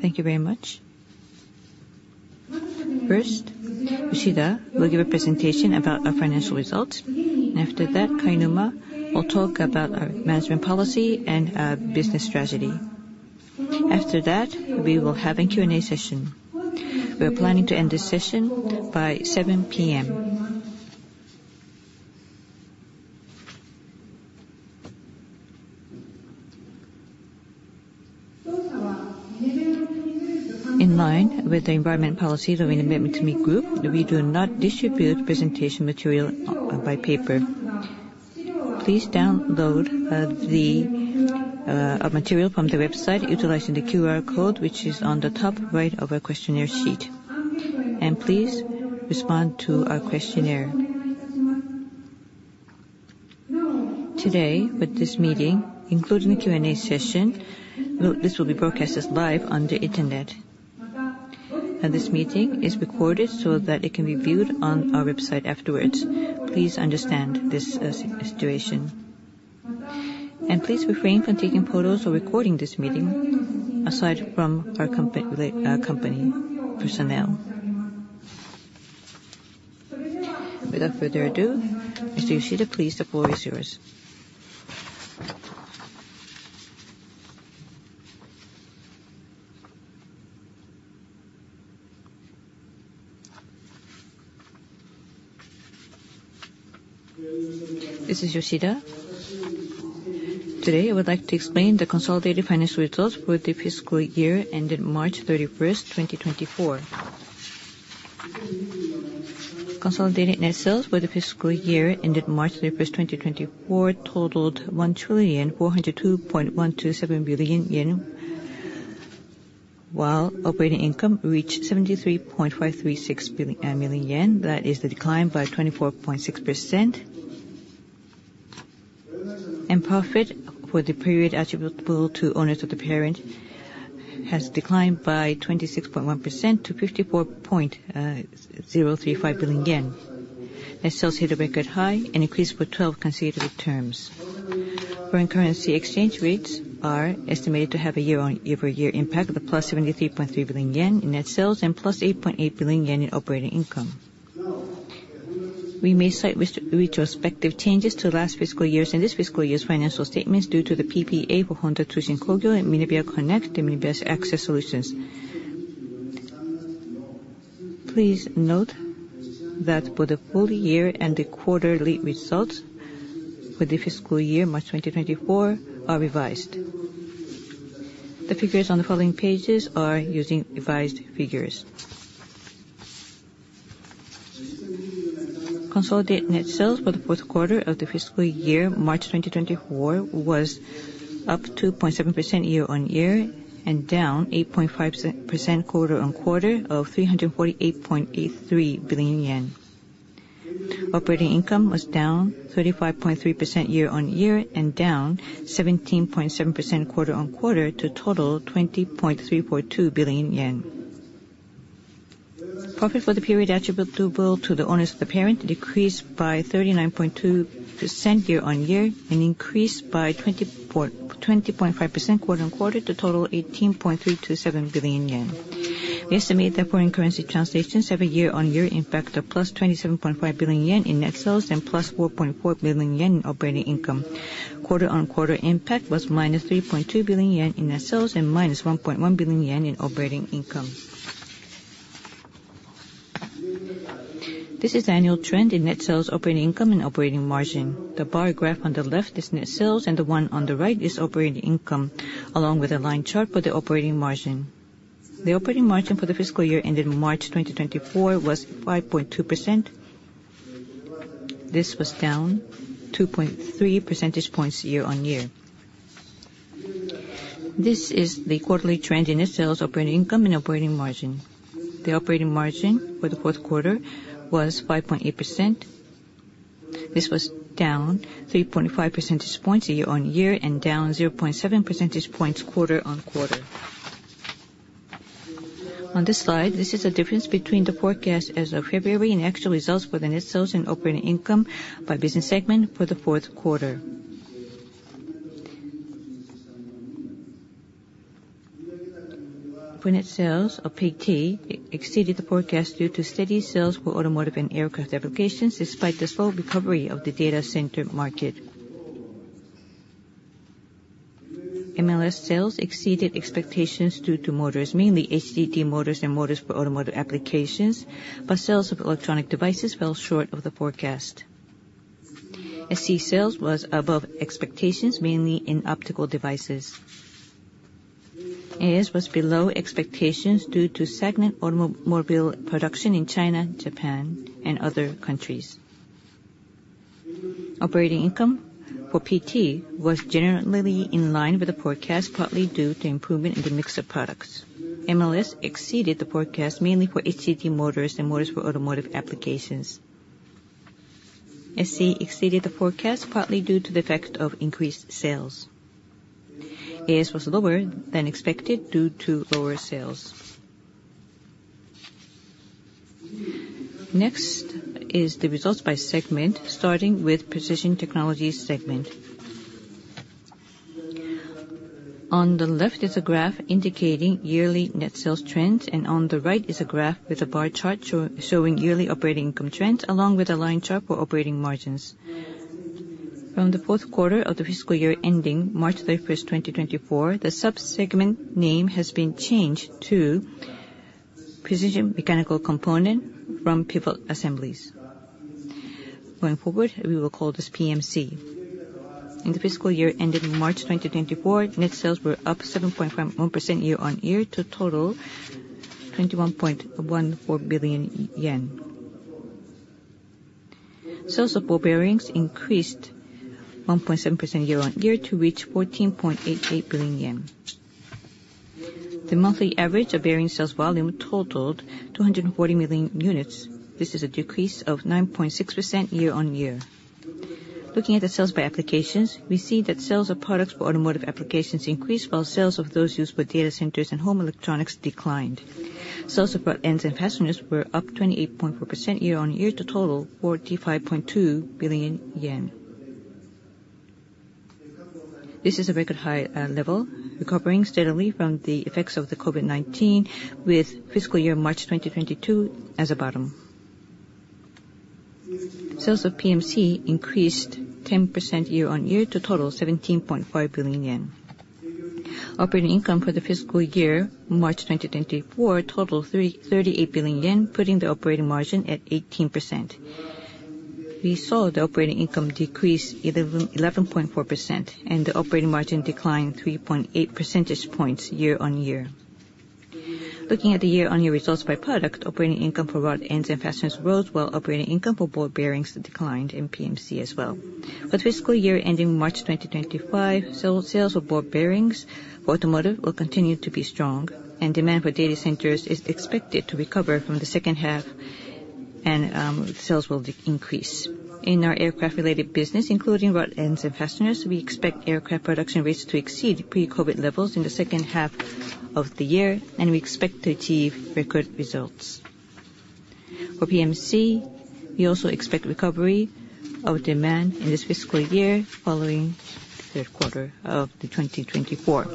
Thank you very much. First, Yoshida will give a presentation about our financial results, and after that, Kainuma will talk about our management policy and business strategy. After that, we will have a Q&A session. We are planning to end this session by 7:00 P.M. In line with the environment policy that we've made with the MinebeaMitsumi Group, we do not distribute presentation material by paper. Please download the material from the website utilizing the QR code which is on the top right of our questionnaire sheet. Please respond to our questionnaire. Today, with this meeting, including the Q&A session, this will be broadcast live on the internet. This meeting is recorded so that it can be viewed on our website afterwards. Please understand this situation. Please refrain from taking photos or recording this meeting, aside from our company personnel. Without further ado, Mr. Yoshida, please the floor is yours. This is Yoshida. Today, I would like to explain the consolidated financial results for the fiscal year ended March 31st, 2024. Consolidated net sales for the fiscal year ended March 31st, 2024, totaled 1,402.127 billion yen while operating income reached 73.536 billion yen. That is a decline by 24.6%. And profit for the period attributable to owners of the parent has declined by 26.1% to 54.035 billion yen. Net sales hit a record high and increased for 12 consecutive terms. Current currency exchange rates are estimated to have a year-on-year-over-year impact of +73.3 billion yen in net sales and +8.8 billion yen in operating income. We may cite restated retrospective changes to last fiscal years and this fiscal year's financial statements due to the PPA for HONDA TSUSHIN KOGYO and MINEBEA CONNECT and Minebea AccessSolutions. Please note that both the full year and the quarterly results for the fiscal year March 2024 are revised. The figures on the following pages are using revised figures. Consolidated net sales for the fourth quarter of the fiscal year March 2024 was up 2.7% year-on-year and down 8.5% quarter-on-quarter of 348.83 billion yen. Operating income was down 35.3% year-on-year and down 17.7% quarter-on-quarter to total 20.342 billion yen. Profit for the period attributable to the owners of the parent decreased by 39.2% year-on-year and increased by 24-20.5% quarter-on-quarter to total 18.327 billion yen. We estimate that current currency translations have a year-on-year impact of +27.5 billion yen in net sales and +4.4 billion yen in operating income. Quarter-on-quarter impact was -3.2 billion yen in net sales and -1.1 billion yen in operating income. This is the annual trend in net sales, operating income, and operating margin. The bar graph on the left is net sales and the one on the right is operating income, along with a line chart for the operating margin. The operating margin for the fiscal year ended March 2024 was 5.2%. This was down 2.3 percentage points year-on-year. This is the quarterly trend in net sales, operating income, and operating margin. The operating margin for the fourth quarter was 5.8%. This was down 3.5 percentage points year-on-year and down 0.7 percentage points quarter-on-quarter. On this slide, this is the difference between the forecast as of February and actual results for the net sales and operating income by business segment for the fourth quarter. PMC sales, or P/T, exceeded the forecast due to steady sales for automotive and aircraft applications despite the slow recovery of the data center market. MLS sales exceeded expectations due to motors, mainly HDD motors and motors for automotive applications, but sales of electronic devices fell short of the forecast. SC sales was above expectations, mainly in optical devices. AS was below expectations due to stagnant automobile production in China, Japan, and other countries. Operating income for P/T was generally in line with the forecast partly due to improvement in the mix of products. MLS exceeded the forecast mainly for HDD motors and motors for automotive applications. SC exceeded the forecast partly due to the effect of increased sales. AS was lower than expected due to lower sales. Next are the results by segment, starting with Precision Technologies segment. On the left is a graph indicating yearly net sales trends, and on the right is a graph with a bar chart showing yearly operating income trends along with a line chart for operating margins. From the fourth quarter of the fiscal year ending March 31st, 2024, the subsegment name has been changed to Precision Mechanical Component from Pivot Assemblies. Going forward, we will call this PMC. In the fiscal year ending March 2024, net sales were up 7.1% year-on-year to total JPY 21.14 billion. Sales of ball bearings increased 1.7% year-on-year to reach 14.88 billion yen. The monthly average of bearing sales volume totaled 240 million units. This is a decrease of 9.6% year-on-year. Looking at the sales by applications, we see that sales of products for automotive applications increased while sales of those used for data centers and home electronics declined. Sales of rod ends and fasteners were up 28.4% year-on-year to total 45.2 billion yen. This is a record high level, recovering steadily from the effects of the COVID-19 with fiscal year March 2022 as a bottom. Sales of PMC increased 10% year-on-year to total 17.5 billion yen. Operating income for the fiscal year March 2024 totaled 38 billion yen, putting the operating margin at 18%. We saw the operating income decrease 11.4%, and the operating margin declined 3.8 percentage points year-on-year. Looking at the year-on-year results by product, operating income for rod ends and fasteners rose while operating income for ball bearings declined in PMC as well. With fiscal year ending March 2025, sales for ball bearings for automotive will continue to be strong, and demand for data centers is expected to recover from the second half and sales will increase. In our aircraft-related business, including rod ends and fasteners, we expect aircraft production rates to exceed pre-COVID levels in the second half of the year, and we expect to achieve record results. For PMC, we also expect recovery of demand in this fiscal year following the third quarter of 2024.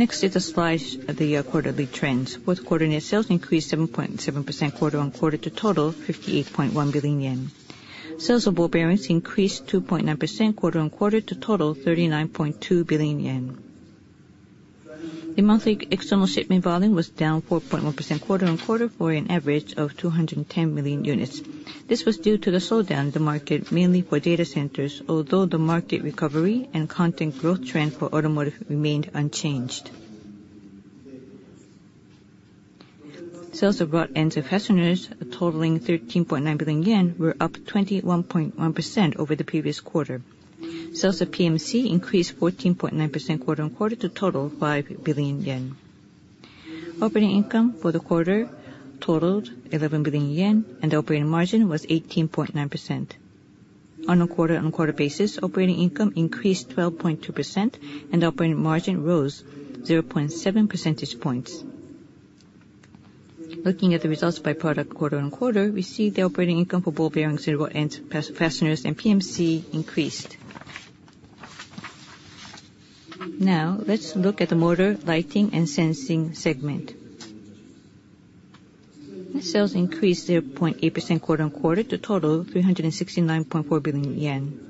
Next is a slide of the quarterly trends. Fourth quarter net sales increased 7.7% quarter-on-quarter to total 58.1 billion yen. Sales of ball bearings increased 2.9% quarter-on-quarter to total 39.2 billion yen. The monthly external shipment volume was down 4.1% quarter-on-quarter for an average of 210 million units. This was due to the slowdown in the market, mainly for data centers, although the market recovery and content growth trend for automotive remained unchanged. Sales of rod ends and fasteners, totaling 13.9 billion yen, were up 21.1% over the previous quarter. Sales of PMC increased 14.9% quarter-on-quarter to total 5 billion yen. Operating income for the quarter totaled 11 billion yen, and the operating margin was 18.9%. On a quarter-on-quarter basis, operating income increased 12.2%, and the operating margin rose 0.7 percentage points. Looking at the results by product quarter-on-quarter, we see the operating income for ball bearings, rod ends, fasteners, and PMC increased. Now, let's look at the motor, lighting, and sensing segment. Net sales increased 0.8% quarter-on-quarter to total 369.4 billion yen.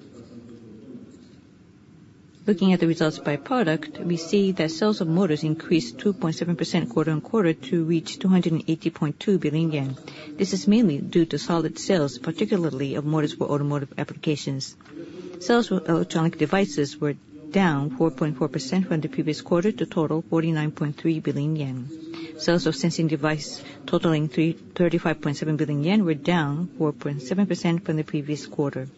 Looking at the results by product, we see that sales of motors increased 2.7% quarter-on-quarter to reach 280.2 billion yen. This is mainly due to solid sales, particularly of motors for automotive applications. Sales of electronic devices were down 4.4% from the previous quarter to total 49.3 billion yen. Sales of sensing devices, totaling 35.7 billion yen, were down 4.7% from the previous quarter.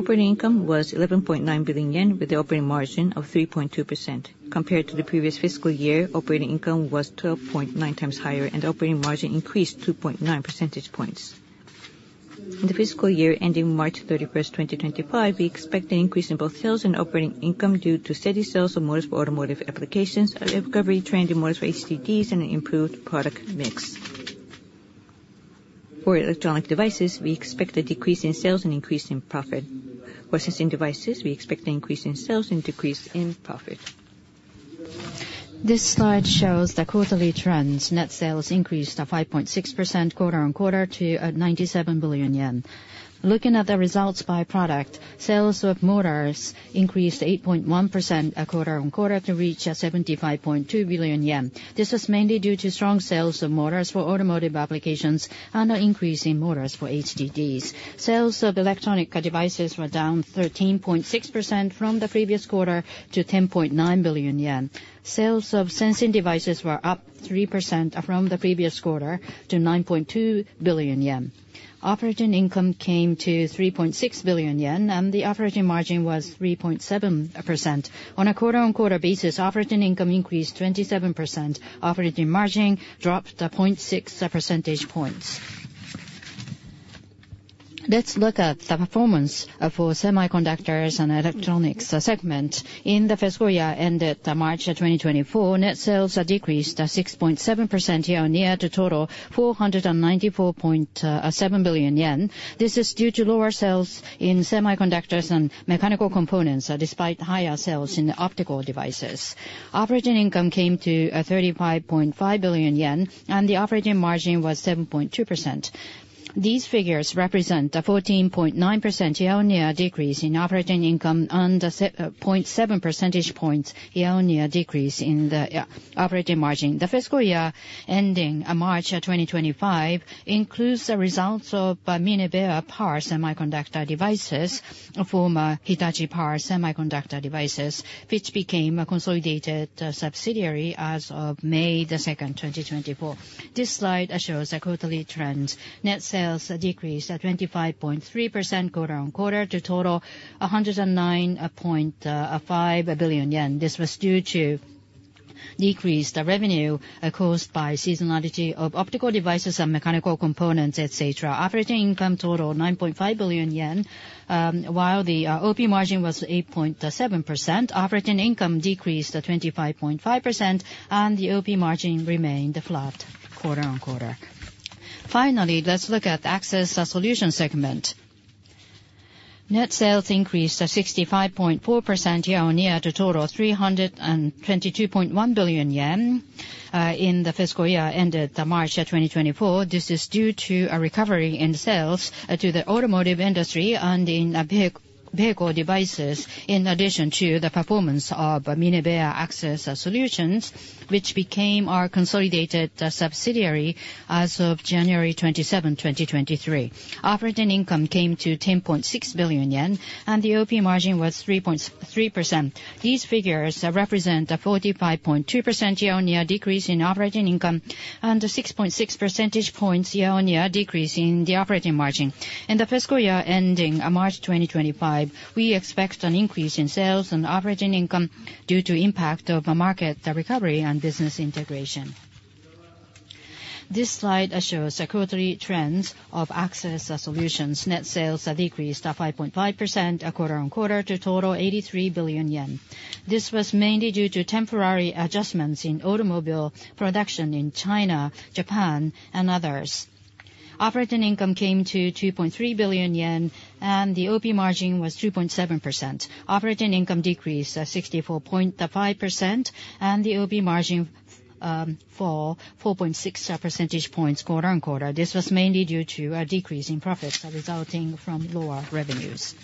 Operating income was 11.9 billion yen, with an operating margin of 3.2%. Compared to the previous fiscal year, operating income was 12.9 times higher, and the operating margin increased 2.9 percentage points. In the fiscal year ending March 31st, 2025, we expect an increase in both sales and operating income due to steady sales of motors for automotive applications, a recovery trend in motors for HDDs, and an improved product mix. For electronic devices, we expect a decrease in sales and an increase in profit. For sensing devices, we expect an increase in sales and a decrease in profit. This slide shows the quarterly trends. Net sales increased 5.6% quarter-on-quarter to 97 billion yen. Looking at the results by product, sales of motors increased 8.1% quarter-on-quarter to reach 75.2 billion yen. This was mainly due to strong sales of motors for automotive applications and an increase in motors for HDDs. Sales of electronic devices were down 13.6% from the previous quarter to 10.9 billion yen. Sales of sensing devices were up 3% from the previous quarter to 9.2 billion yen. Operating income came to 3.6 billion yen, and the operating margin was 3.7%. On a quarter-on-quarter basis, operating income increased 27%. Operating margin dropped 0.6 percentage points. Let's look at the performance for semiconductors and electronics segment. In the fiscal year ended March 2024, net sales decreased 6.7% year-on-year to total 494.7 billion yen. This is due to lower sales in semiconductors and mechanical components, despite higher sales in optical devices. Operating income came to 35.5 billion yen, and the operating margin was 7.2%. These figures represent a 14.9% year-on-year decrease in operating income and a 7 percentage points year-on-year decrease in the operating margin. The fiscal year ending March 2025 includes the results of Minebea Power Semiconductor Device, former Hitachi Power Semiconductor Device, which became a consolidated subsidiary as of May 2, 2024. This slide shows the quarterly trend. Net sales decreased 25.3% quarter-on-quarter to total 109.5 billion yen. This was due to decreased revenue, caused by seasonality of optical devices and mechanical components, etc. Operating income totaled 9.5 billion yen, while the OP margin was 8.7%. Operating income decreased 25.5%, and the OP margin remained flat quarter-on-quarter. Finally, let's look at the Access Solutions segment. Net sales increased 65.4% year-on-year to total 322.1 billion yen, in the fiscal year ended March 2024. This is due to a recovery in sales to the automotive industry and in-vehicle devices, in addition to the performance of Minebea AccessSolutions, which became our consolidated subsidiary as of January 27, 2023. Operating income came to 10.6 billion yen, and the OP margin was 3.3%. These figures represent a 45.2% year-on-year decrease in operating income and a 6.6 percentage points year-on-year decrease in the operating margin. In the fiscal year ending March 2025, we expect an increase in sales and operating income due to the impact of market recovery and business integration. This slide shows the quarterly trends of Access Solutions. Net sales decreased 5.5% quarter-on-quarter to total 83 billion yen. This was mainly due to temporary adjustments in automobile production in China, Japan, and others. Operating income came to 2.3 billion yen, and the OP margin was 2.7%. Operating income decreased 64.5%, and the OP margin fell 4.6 percentage points quarter-on-quarter. This was mainly due to a decrease in profits resulting from lower revenues.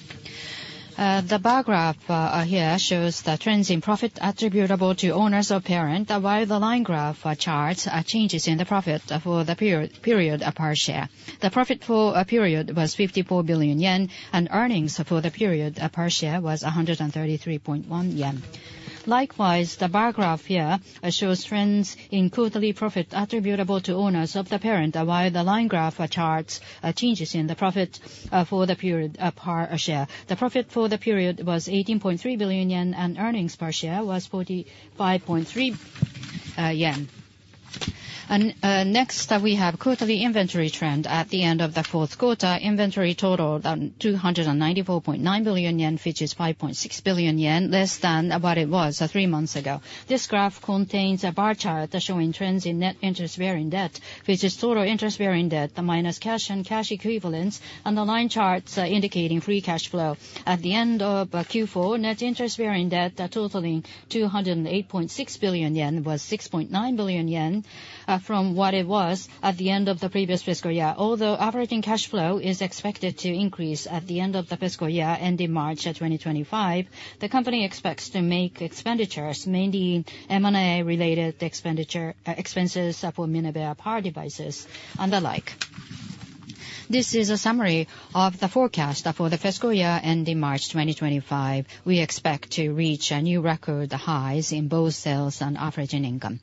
The bar graph here shows the trends in profit attributable to owners or parent, while the line graph charts changes in the profit for the period per share. The profit for a period was 54 billion yen, and earnings for the period per share was 133.1 billion yen. Likewise, the bar graph here shows trends in quarterly profit attributable to owners of the parent, while the line graph charts changes in the profit for the period per share. The profit for the period was 18.3 billion yen, and earnings per share was 45.3 billion yen. Next, we have quarterly inventory trend. At the end of the fourth quarter, inventory totaled 294.9 billion yen, which is 5.6 billion yen less than what it was three months ago. This graph contains a bar chart showing trends in net interest bearing debt, which is total interest bearing debt minus cash and cash equivalents, and the line charts indicating free cash flow. At the end of Q4, net interest bearing debt totaling 208.6 billion yen was 6.9 billion yen from what it was at the end of the previous fiscal year. Although operating cash flow is expected to increase at the end of the fiscal year ending March 2025, the company expects to make expenditures, mainly M&A-related expenditure, expenses for Minebea Power Semiconductor Device and the like. This is a summary of the forecast for the fiscal year ending March 2025. We expect to reach new record highs in both sales and operating income.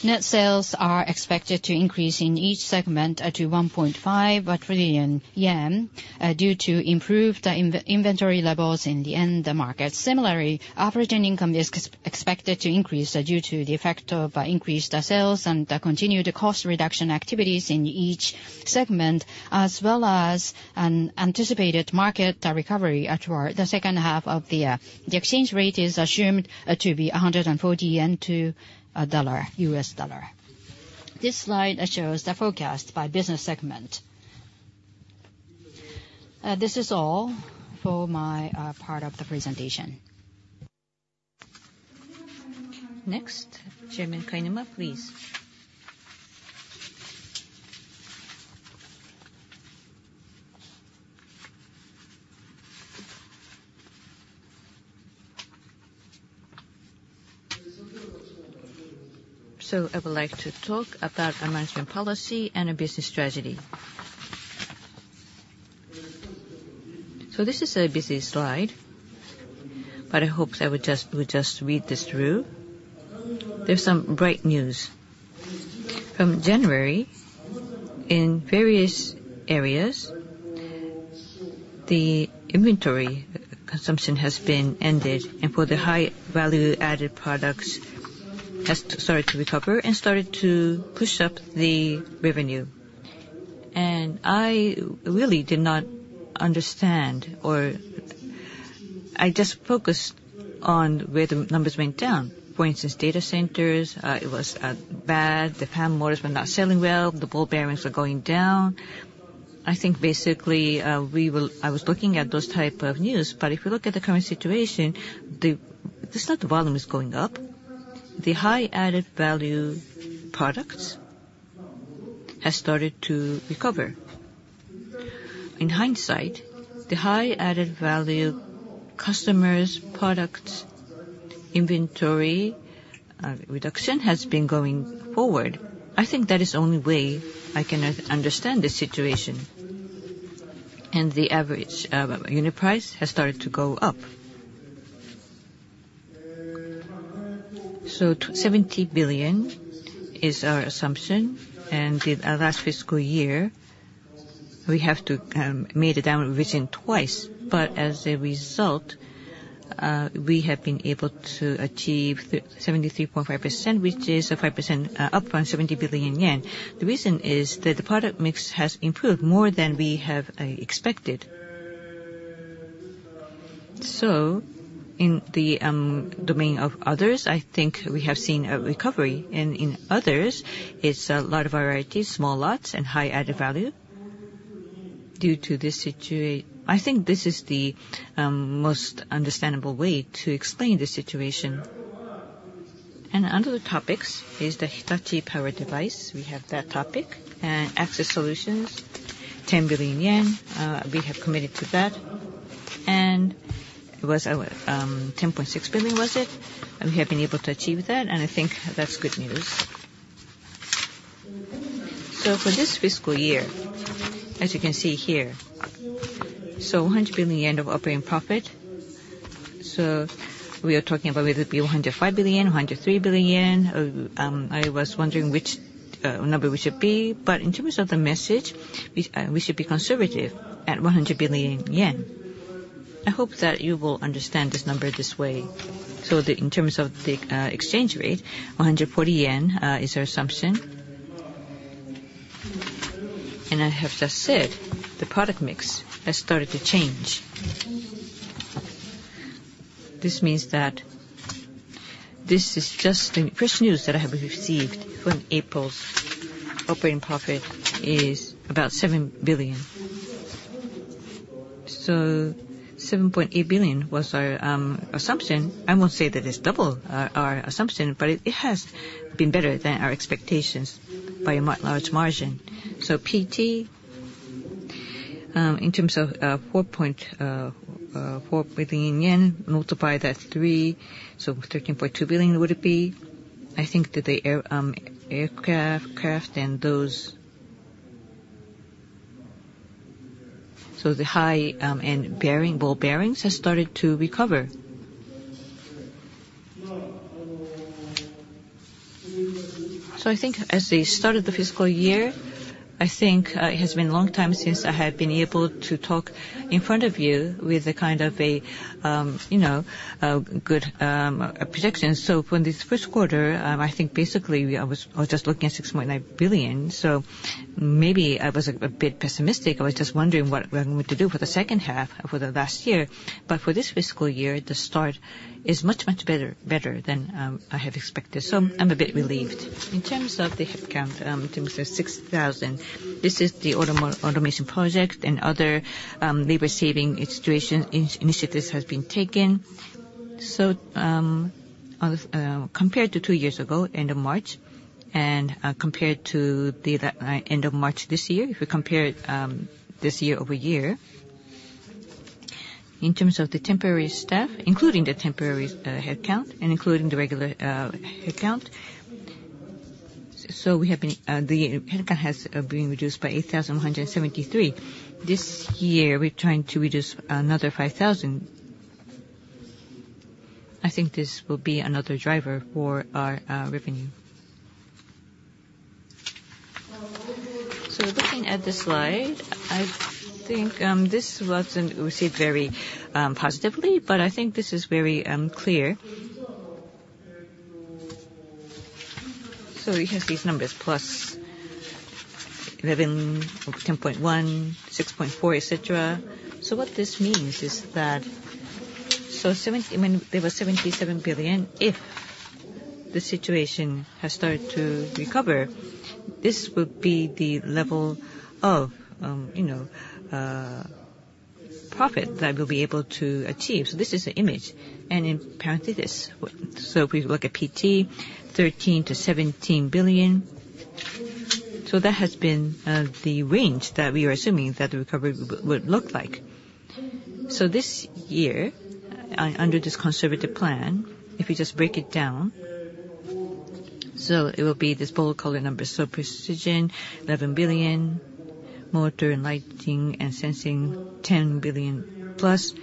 Net sales are expected to increase in each segment to 1.5 trillion yen, due to improved inventory levels in the end market. Similarly, operating income is expected to increase due to the effect of increased sales and continued cost reduction activities in each segment, as well as an anticipated market recovery toward the second half of the year. The exchange rate is assumed to be ¥140 to a US dollar. This slide shows the forecast by business segment. This is all for my part of the presentation. Next, Chairman Kainuma, please. I would like to talk about a management policy and a business strategy. This is a busy slide, but I hope we'll just read this through. There's some bright news. From January, in various areas, the inventory consumption has been ended, and for the high-value-added products, has started to recover and started to push up the revenue. I really did not understand, or I just focused on where the numbers went down. For instance, data centers, it was bad. The PAM motors were not selling well. The ball bearings were going down. I think, basically, I was looking at those type of news, but if we look at the current situation, it's not the volume is going up. The high-added value products have started to recover. In hindsight, the high-added value customers' products inventory reduction has been going forward. I think that is the only way I can understand this situation. And the average unit price has started to go up. So, the 70 billion is our assumption. And the last fiscal year, we had to make a down revision twice. But as a result, we have been able to achieve 73.5%, which is a 5% up from 70 billion yen. The reason is that the product mix has improved more than we expected. So, in the domain of others, I think we have seen a recovery. And in others, it's a lot of varieties, small lots, and high-added value due to this situation. I think this is the most understandable way to explain this situation. And under the topics is the Hitachi Power Semiconductor Device. We have that topic. And Access Solutions, 10 billion yen. We have committed to that. It was 10.6 billion, was it? We have been able to achieve that, and I think that's good news. So, for this fiscal year, as you can see here, so, 100 billion yen of operating profit. So, we are talking about whether it be 105 billion, 103 billion yen. I was wondering which number we should be. But in terms of the message, we should be conservative at 100 billion yen. I hope that you will understand this number this way. So, in terms of the exchange rate, 140 yen is our assumption. And I have just said the product mix has started to change. This means that this is just the fresh news that I have received. April's operating profit is about 7 billion. So, 7.8 billion was our assumption. I won't say that it's double our assumption, but it has been better than our expectations by a much larger margin. So, put in terms of 4.4 billion yen, multiply that 3, so 13.2 billion would it be. I think that the aircraft and those so the high-end ball bearings have started to recover. So, I think as they started the fiscal year, I think it has been a long time since I have been able to talk in front of you with a kind of a, you know, good projection. So, from this first quarter, I think basically I was just looking at 6.9 billion. So, maybe I was a bit pessimistic. I was just wondering what we're going to do for the second half for the last year. But for this fiscal year, the start is much better than I have expected. So, I'm a bit relieved. In terms of the headcount, in terms of 6,000, this is the automation project and other labor saving situation initiatives have been taken. So, compared to two years ago, end of March, and compared to the end of March this year, if we compare year-over-year, in terms of the temporary staff, including the temporary headcount and including the regular headcount, so the headcount has been reduced by 8,173. This year, we're trying to reduce another 5,000. I think this will be another driver for our revenue. So, looking at this slide, I think this wasn't received very positively, but I think this is very clear. So, it has these numbers, plus 11, 10.1, 6.4, etc. So, what this means is that, so 70 when there was 77 billion, if the situation has started to recover, this would be the level of, you know, profit that we'll be able to achieve. So, this is an image. And in parenthesis, what, so if we look at PT, 13 billion-17 billion. So, that has been the range that we are assuming that the recovery would look like. So, this year, under this conservative plan, if we just break it down, so it will be this bold color number, so precision, 11 billion, motor and lighting and sensing, 10 billion plus.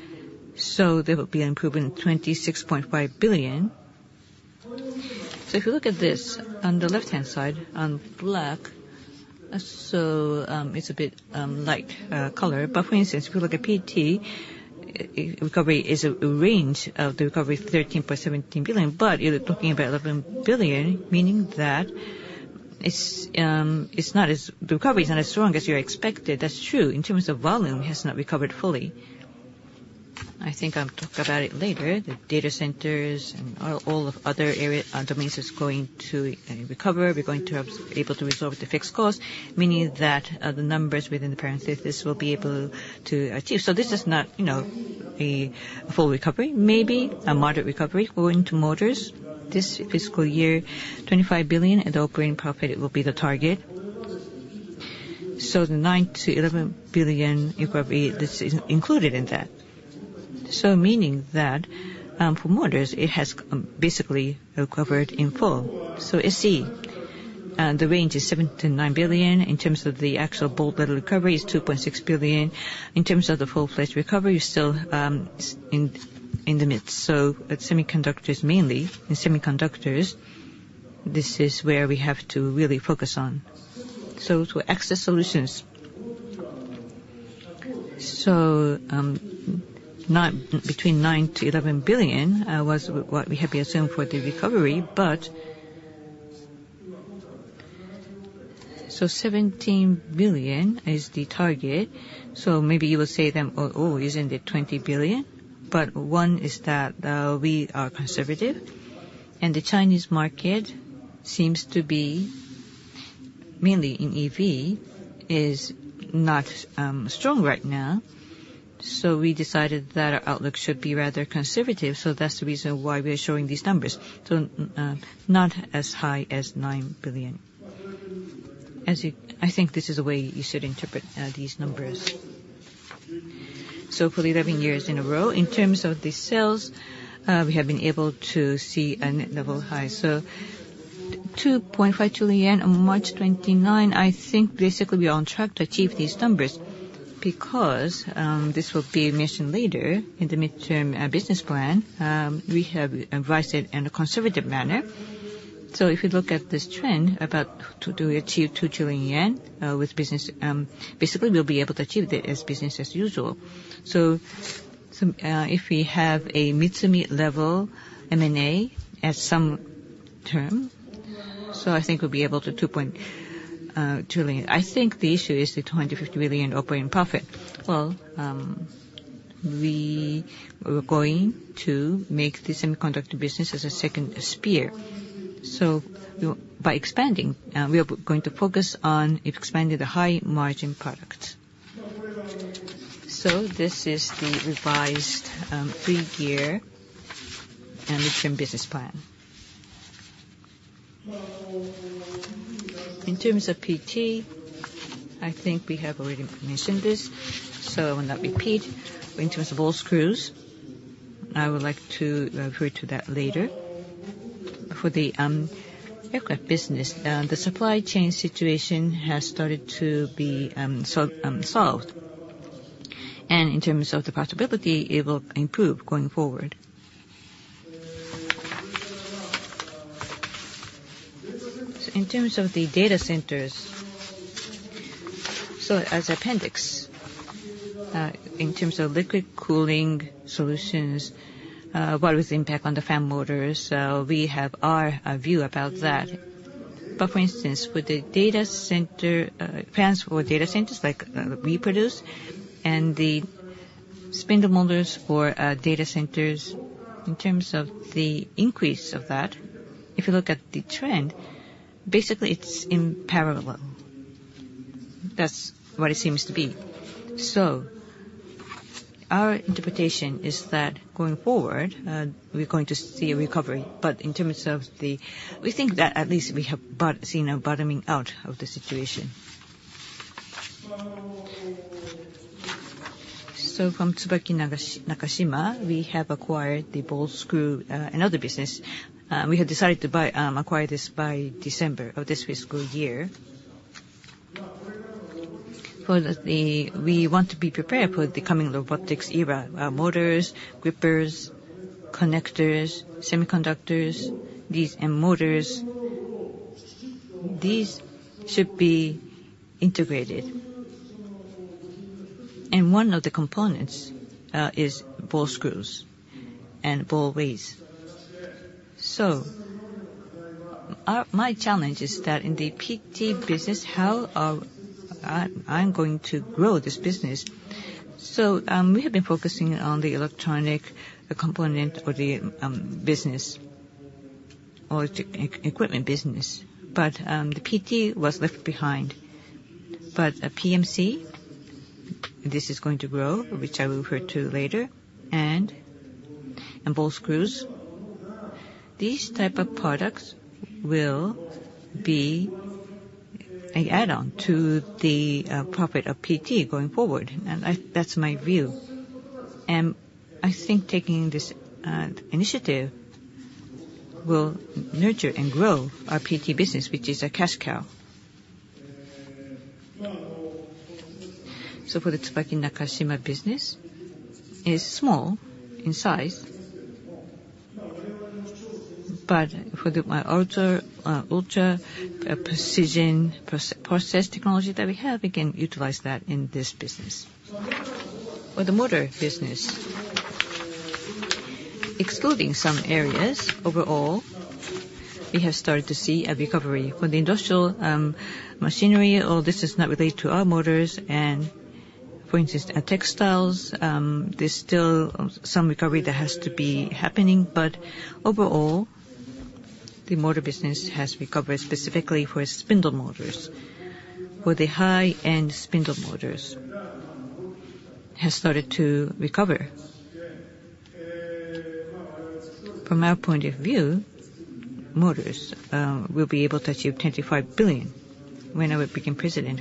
So, there will be an improvement of 26.5 billion. So, if you look at this on the left-hand side, on black, so it's a bit light color. But for instance, if you look at PT, it recovery is a range of the recovery 13 billion-17 billion. You're looking about 11 billion, meaning that it's, it's not as the recovery is not as strong as you expected. That's true. In terms of volume, it has not recovered fully. I think I'll talk about it later. The data centers and all, all of other area, domains is going to, recover. We're going to have able to resolve the fixed costs, meaning that, the numbers within the parentheses will be able to achieve. So, this is not, you know, a full recovery. Maybe a moderate recovery. Going to motors, this fiscal year, 25 billion in the operating profit, it will be the target. So, the 9 billion-11 billion recovery, this is included in that. So, meaning that, for motors, it has, basically recovered in full. So, SE, the range is 7 billion-9 billion. In terms of the actual ball bearing recovery, it's 2.6 billion. In terms of the full-fledged recovery, you're still in the midst. So, at semiconductors, mainly in semiconductors, this is where we have to really focus on. So, for Access Solutions, between 9 to 11 billion was what we have to assume for the recovery. But 17 billion is the target. So, maybe you will say them, "Oh, oh, isn't it 20 billion?" But one is that, we are conservative. And the Chinese market seems to be mainly in EV is not strong right now. So, we decided that our outlook should be rather conservative. So, that's the reason why we are showing these numbers. So, not as high as 9 billion, as you I think this is the way you should interpret these numbers. So, for 11 years in a row, in terms of the sales, we have been able to see a net level high. So, 2.5 trillion yen on March 29, I think, basically, we are on track to achieve these numbers because this will be mentioned later in the midterm business plan. We have advised it in a conservative manner. So, if we look at this trend, about to, to achieve 2 trillion yen, with business, basically, we'll be able to achieve that as business as usual. So, some, if we have a Mitsumi level M&A at some term, so, I think we'll be able to 2 point trillion. I think the issue is the 250 billion operating profit. Well, we were going to make the semiconductor business as a second sphere. So, we by expanding, we are going to focus on expanding the high-margin products. So, this is the revised, three-year and midterm business plan. In terms of PT, I think we have already mentioned this, so I will not repeat. In terms of old screws, I would like to refer to that later. For the aircraft business, the supply chain situation has started to be solved. And in terms of the possibility, it will improve going forward. So, in terms of the data centers, so, as appendix, in terms of liquid cooling solutions, what was the impact on the PAM motors? We have our view about that. But, for instance, for the data center, fans for data centers like we produce and the spindle motors for data centers, in terms of the increase of that, if you look at the trend, basically, it's in parallel. That's what it seems to be. So, our interpretation is that going forward, we're going to see a recovery. But in terms of that, we think that, at least, we have seen a bottoming out of the situation. So, from Tsubaki Nakashima, we have acquired the ball screw business. We have decided to acquire this by December of this fiscal year. For that, we want to be prepared for the coming robotics era, motors, grippers, connectors, semiconductors, these and motors, these should be integrated. And one of the components is ball screws and ball weights. So, my challenge is that in the PT business, how am I going to grow this business? So, we have been focusing on the electronic component business or the e-equipment business. But the PT was left behind. PMC, this is going to grow, which I will refer to later, and ball screws, these types of products will be an add-on to the profit of PT going forward. And that's my view. And I think taking this initiative will nurture and grow our PT business, which is a cash cow. So, for the Tsubaki Nakashima business, it's small in size. But for our ultra precision processing technology that we have, we can utilize that in this business. For the motor business, excluding some areas, overall, we have started to see a recovery. For the industrial machinery, oh, this is not related to our motors. And, for instance, at textiles, there's still some recovery that has to be happening. But overall, the motor business has recovered specifically for spindle motors. For the high-end spindle motors, has started to recover. From our point of view, motors will be able to achieve 25 billion when I would become president.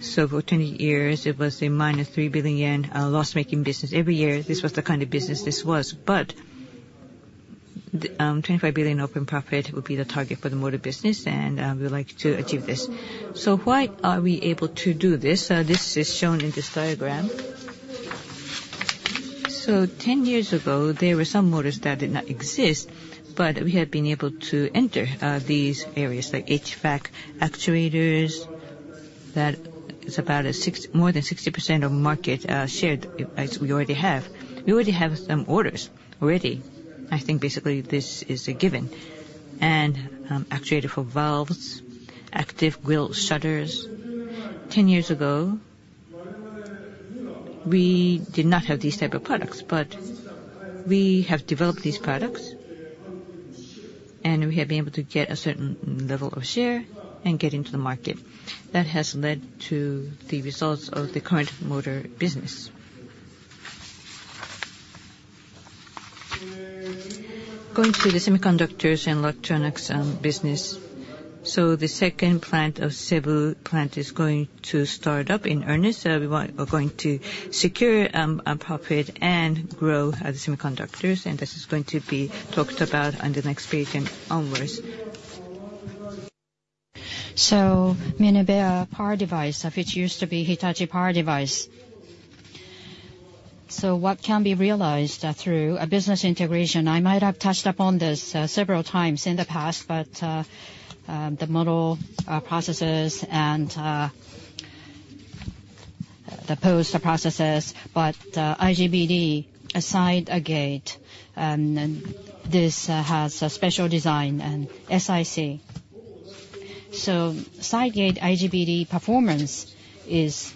So, for 20 years, it was a minus 3 billion yen, loss-making business every year. This was the kind of business this was. But the 25 billion operating profit will be the target for the motor business, and we would like to achieve this. So, why are we able to do this? This is shown in this diagram. So, 10 years ago, there were some motors that did not exist, but we have been able to enter these areas like HVAC actuators, that is about 60%, more than 60% of market share as we already have. We already have some orders already. I think, basically, this is a given. And actuator for valves, active grill shutters. 10 years ago, we did not have these type of products, but we have developed these products, and we have been able to get a certain level of share and get into the market. That has led to the results of the current motor business. Going to the semiconductors and electronics business, so the second plant of Cebu plant is going to start up in earnest. We want to secure a profit and grow the semiconductors. And this is going to be talked about on the next page and onwards. So Minebea Power Device, which used to be Hitachi Power Device. So what can be realized through a business integration? I might have touched upon this several times in the past, but the model processes and the post processes. But IGBT side gate, this has special design and SiC. So, side gate IGBT performance is expected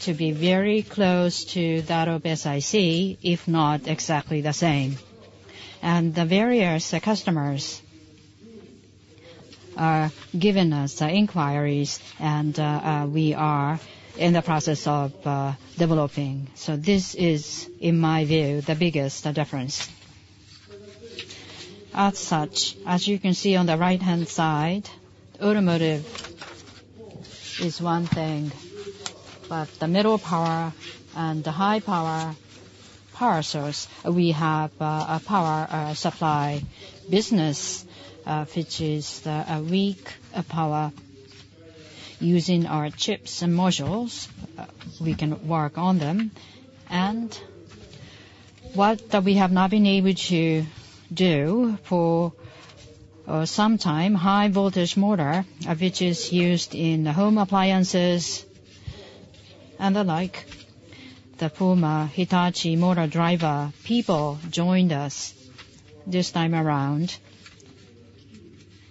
to be very close to that of SiC, if not exactly the same. The various customers are giving us inquiries, and we are in the process of developing. So, this is, in my view, the biggest difference. As such, as you can see on the right-hand side, automotive is one thing. But the middle power and the high power power source, we have a power supply business, which is the weak power. Using our chips and modules, we can work on them. And what that we have not been able to do for some time, high-voltage motor, which is used in the home appliances and the like, the former Hitachi motor driver people joined us this time around.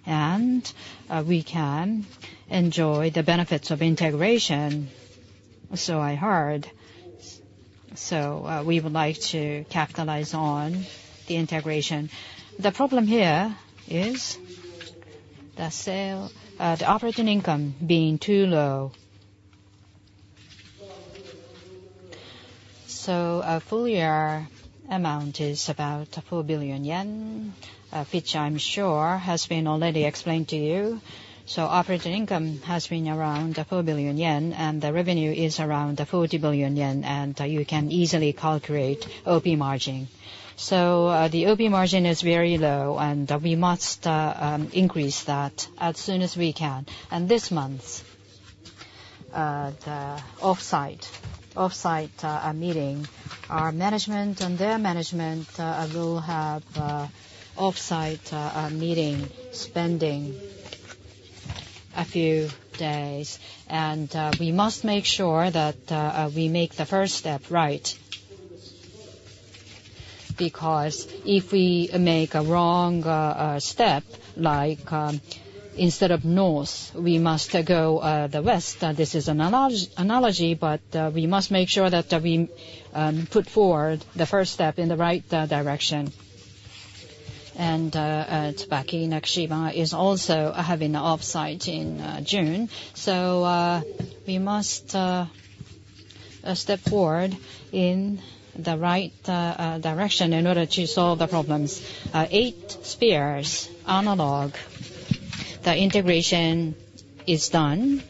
And we can enjoy the benefits of integration, so I heard. So, we would like to capitalize on the integration. The problem here is the sale, the operating income being too low. A full-year amount is about 4 billion yen, which I'm sure has been already explained to you. Operating income has been around 4 billion yen, and the revenue is around 40 billion yen. You can easily calculate OP margin. The OP margin is very low, and we must increase that as soon as we can. This month, our management and their management will have an off-site meeting spending a few days. We must make sure that we make the first step right. Because if we make a wrong step, like, instead of north, we go the west, this is an analogy, but we must make sure that we put forward the first step in the right direction. Tsubaki Nakashima is also having an off-site in June. So, we must step forward in the right direction in order to solve the problems. Eight Spears, analog, the integration is done,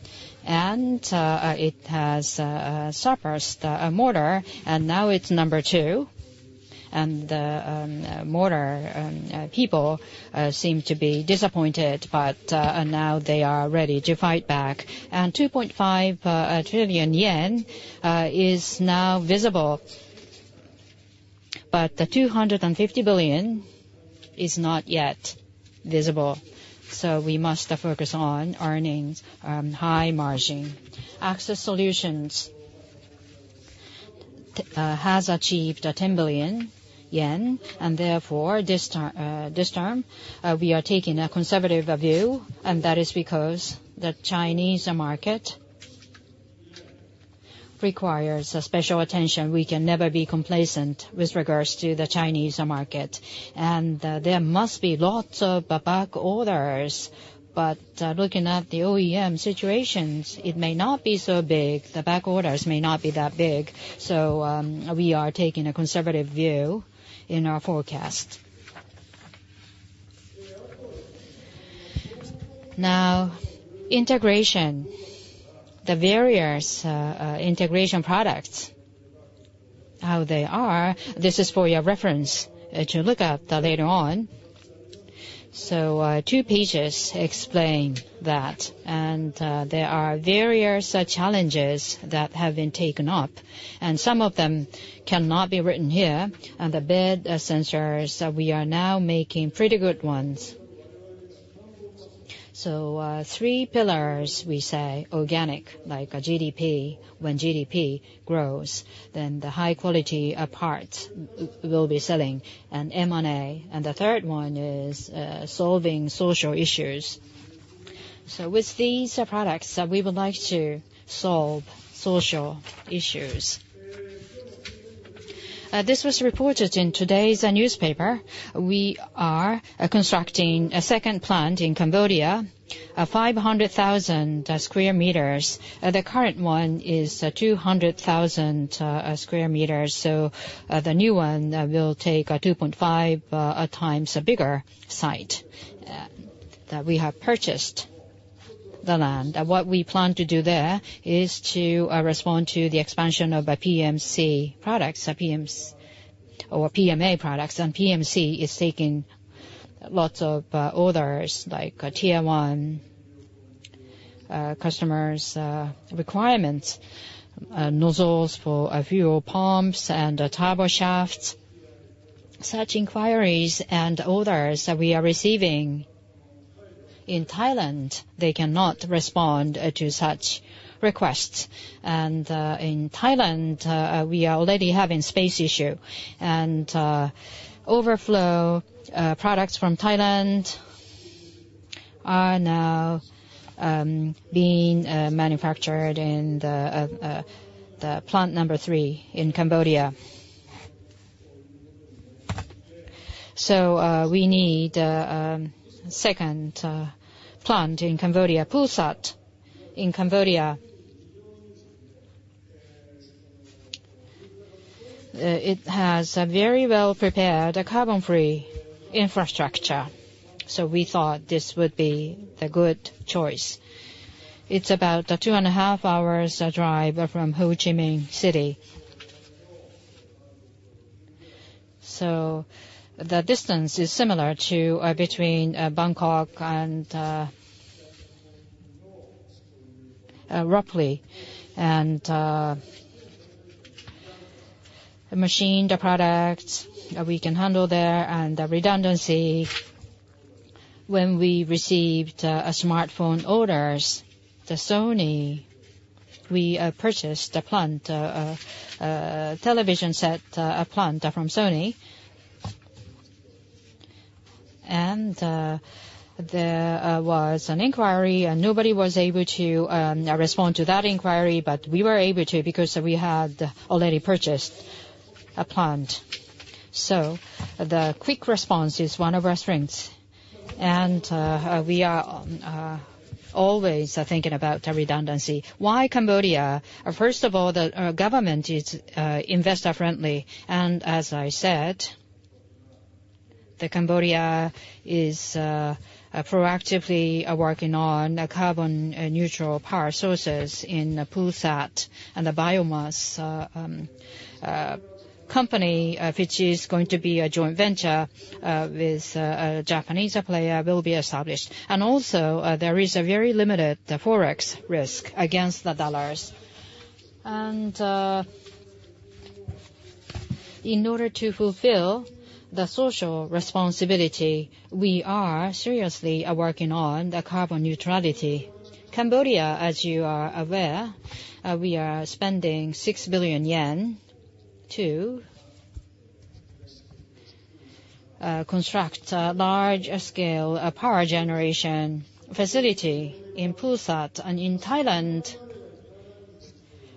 and it has surpassed a motor, and now it's number 2. And the motor people seem to be disappointed, but now they are ready to fight back. And 2.5 trillion yen is now visible. But the 250 billion is not yet visible. So, we must focus on earnings, high margin. Access Solutions has achieved 10 billion yen. And therefore, this term, this term, we are taking a conservative view, and that is because the Chinese market requires special attention. We can never be complacent with regards to the Chinese market. And there must be lots of back orders. But looking at the OEM situations, it may not be so big. The back orders may not be that big. So, we are taking a conservative view in our forecast. Now, integration, the various integration products, how they are, this is for your reference to look at, later on. So, two pages explain that. And there are various challenges that have been taken up. And some of them cannot be written here. And the bed sensors, we are now making pretty good ones. So, three pillars, we say, organic, like, GDP, when GDP grows, then the high-quality parts will be selling and M&A. And the third one is solving social issues. So, with these products, we would like to solve social issues. This was reported in today's newspaper. We are constructing a second plant in Cambodia, 500,000 square meters. The current one is 200,000 square meters. So, the new one will take 2.5 times a bigger site that we have purchased the land. What we plan to do there is to respond to the expansion of PMC products, PMS or PMA products. And PMC is taking lots of orders like tier one customers requirements, nozzles for fuel pumps and turbo shafts. Such inquiries and orders that we are receiving in Thailand, they cannot respond to such requests. And in Thailand, we are already having space issue. And overflow products from Thailand are now being manufactured in the plant number 3 in Cambodia. So we need second plant in Cambodia, Pursat in Cambodia. It has a very well-prepared carbon-free infrastructure. So we thought this would be the good choice. It's about 2.5 hours drive from Ho Chi Minh City. So the distance is similar to between Bangkok and Lopburi. And machined products that we can handle there and the redundancy. When we received smartphone orders from Sony, we purchased a plant, a television set plant from Sony. There was an inquiry, and nobody was able to respond to that inquiry. But we were able to because we had already purchased a plant. So, the quick response is one of our strengths. We are always thinking about the redundancy. Why Cambodia? First of all, the government is investor-friendly. As I said, Cambodia is proactively working on carbon-neutral power sources in Pursat, and the biomass company, which is going to be a joint venture with a Japanese player, will be established. Also, there is a very limited forex risk against the US dollars. In order to fulfill the social responsibility, we are seriously working on the carbon neutrality. Cambodia, as you are aware, we are spending 6 billion yen to construct a large-scale power generation facility in Pursat and in Thailand,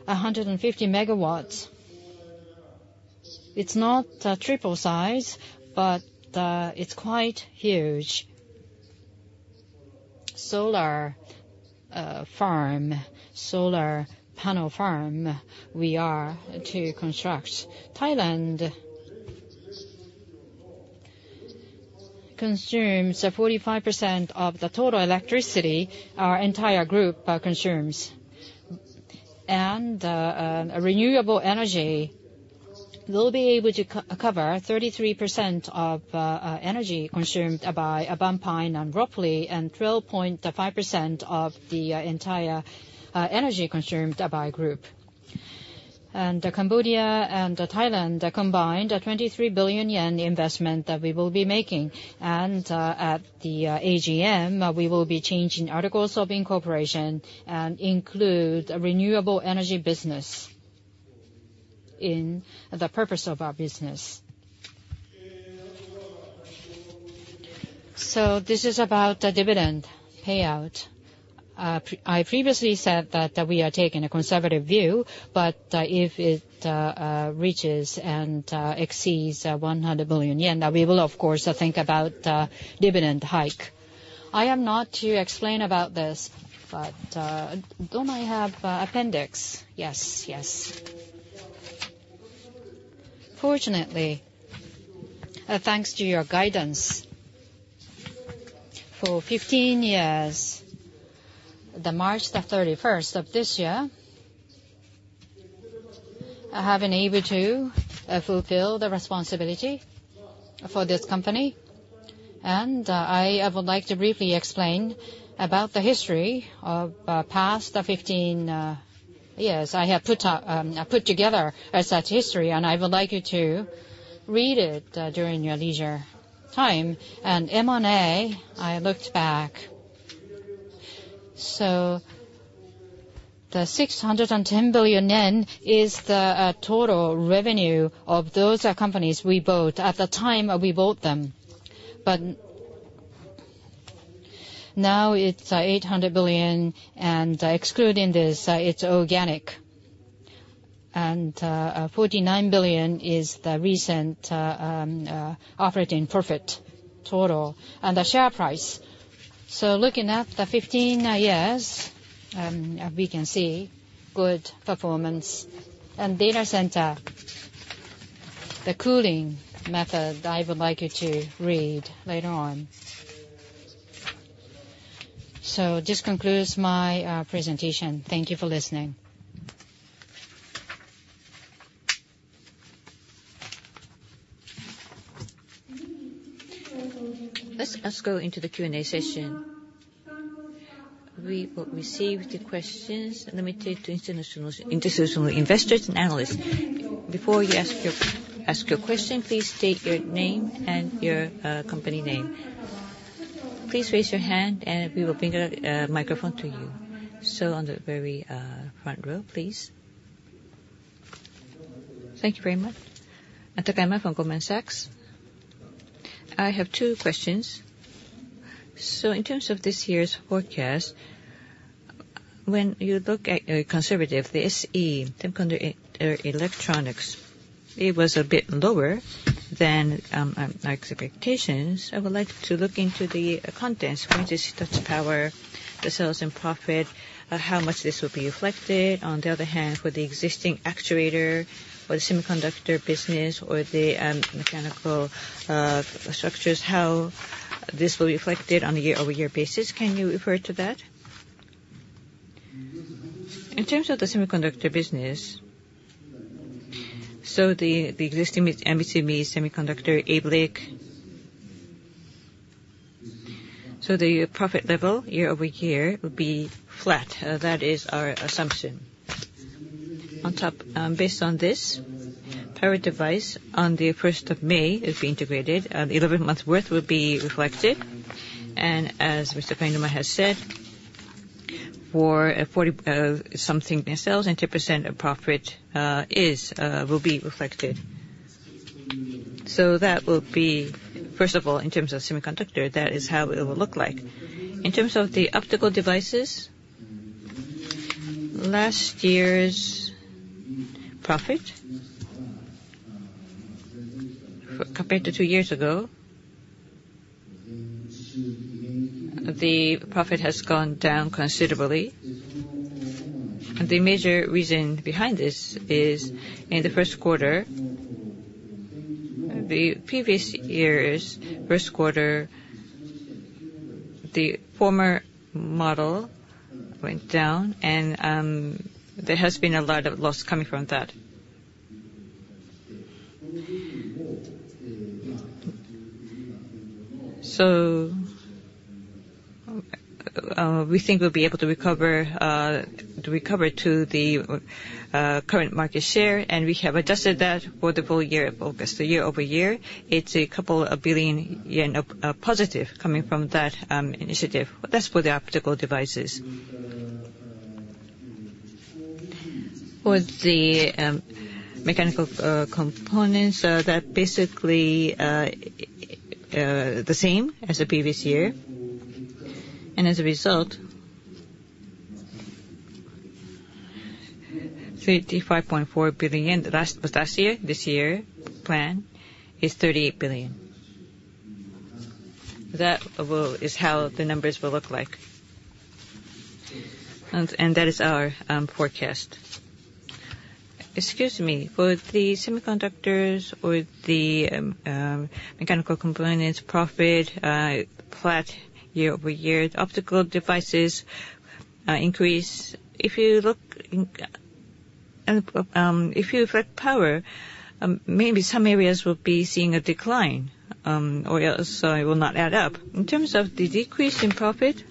150 megawatts. It's not triple size, but it's quite huge. Solar farm, solar panel farm we are to construct. Thailand consumes 45% of the total electricity our entire group consumes. And renewable energy will be able to cover 33% of energy consumed by Bang Pa-in and Lopburi and 12.5% of the entire energy consumed by group. And Cambodia and Thailand, combined, 23 billion yen investment that we will be making. And at the AGM, we will be changing articles of incorporation and include a renewable energy business in the purpose of our business. So this is about the dividend payout. Previously, I previously said that we are taking a conservative view, but if it reaches and exceeds 100 billion yen, we will of course think about dividend hike. I am not to explain about this, but don't I have appendix? Yes, yes. Fortunately, thanks to your guidance for 15 years, March 31 of this year, I have been able to fulfill the responsibility for this company. I would like to briefly explain about the history of past 15 years. I have put together such a history, and I would like you to read it during your leisure time. M&A, I looked back. The 610 billion yen is the total revenue of those companies we bought at the time that we bought them. But now it's 800 billion, and excluding this, it's organic. 49 billion is the recent operating profit total and the share price. Looking at the 15 years, we can see good performance. Data center, the cooling method, I would like you to read later on. So, this concludes my presentation. Thank you for listening. Let's go into the Q&A session. We will receive the questions limited to international institutional investors and analysts. Before you ask your question, please state your name and your company name. Please raise your hand, and we will bring a microphone to you. So, on the very front row, please. Thank you very much. Takaaki Funko, Goldman Sachs. I have two questions. So, in terms of this year's forecast, when you look at conservative the semiconductor and consumer electronics, it was a bit lower than our expectations. I would like to look into the contents. When you see such power, the sales and profit, how much this will be reflected. On the other hand, for the existing actuator or the semiconductor business or the mechanical structures, how this will be reflected on a year-over-year basis. Can you refer to that? In terms of the semiconductor business, so the, the existing Minebea semiconductor ABLIC, so the profit level year-over-year will be flat. That is our assumption. On top, based on this, power device on the 1st of May is being integrated. The 11-month worth will be reflected. And as Mr. Kainuma has said, for, 40-something sales and 10% of profit, is, will be reflected. So, that will be, first of all, in terms of semiconductor, that is how it will look like. In terms of the optical devices, last year's profit compared to two years ago, the profit has gone down considerably. And the major reason behind this is in the first quarter, the previous year's first quarter, the former model went down. And, there has been a lot of loss coming from that. So, we think we'll be able to recover, to recover to the current market share. We have adjusted that for the full year of August, the year-over-year. It's 2 billion yen positive coming from that initiative. That's for the optical devices. For the mechanical components, that basically the same as the previous year. And as a result, 35.4 billion. The last was last year. This year plan is 38 billion. That is how the numbers will look like. And that is our forecast. Excuse me. For the semiconductors or the mechanical components profit, flat year-over-year. The optical devices, increase. If you look if you reflect power, maybe some areas will be seeing a decline, or else it will not add up. In terms of the decrease in profit,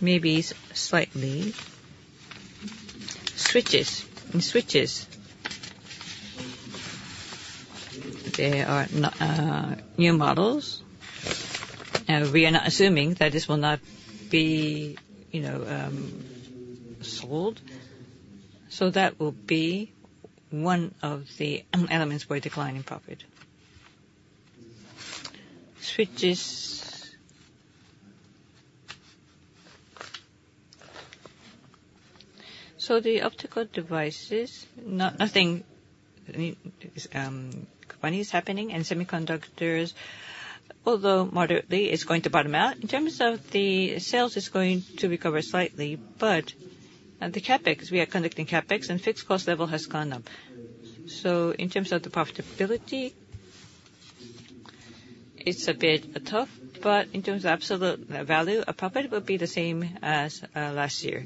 maybe slightly. Switches, switches. There are no new models. We are not assuming that this will not be, you know, sold. So, that will be one of the elements for a decline in profit. Switches. So, the optical devices, nothing new is coming up. And semiconductors, although moderately, it's going to bottom out. In terms of the sales, it's going to recover slightly. But the CapEx, we are conducting CapEx, and fixed cost level has gone up. So, in terms of the profitability, it's a bit tough. But in terms of absolute value, profit will be the same as last year.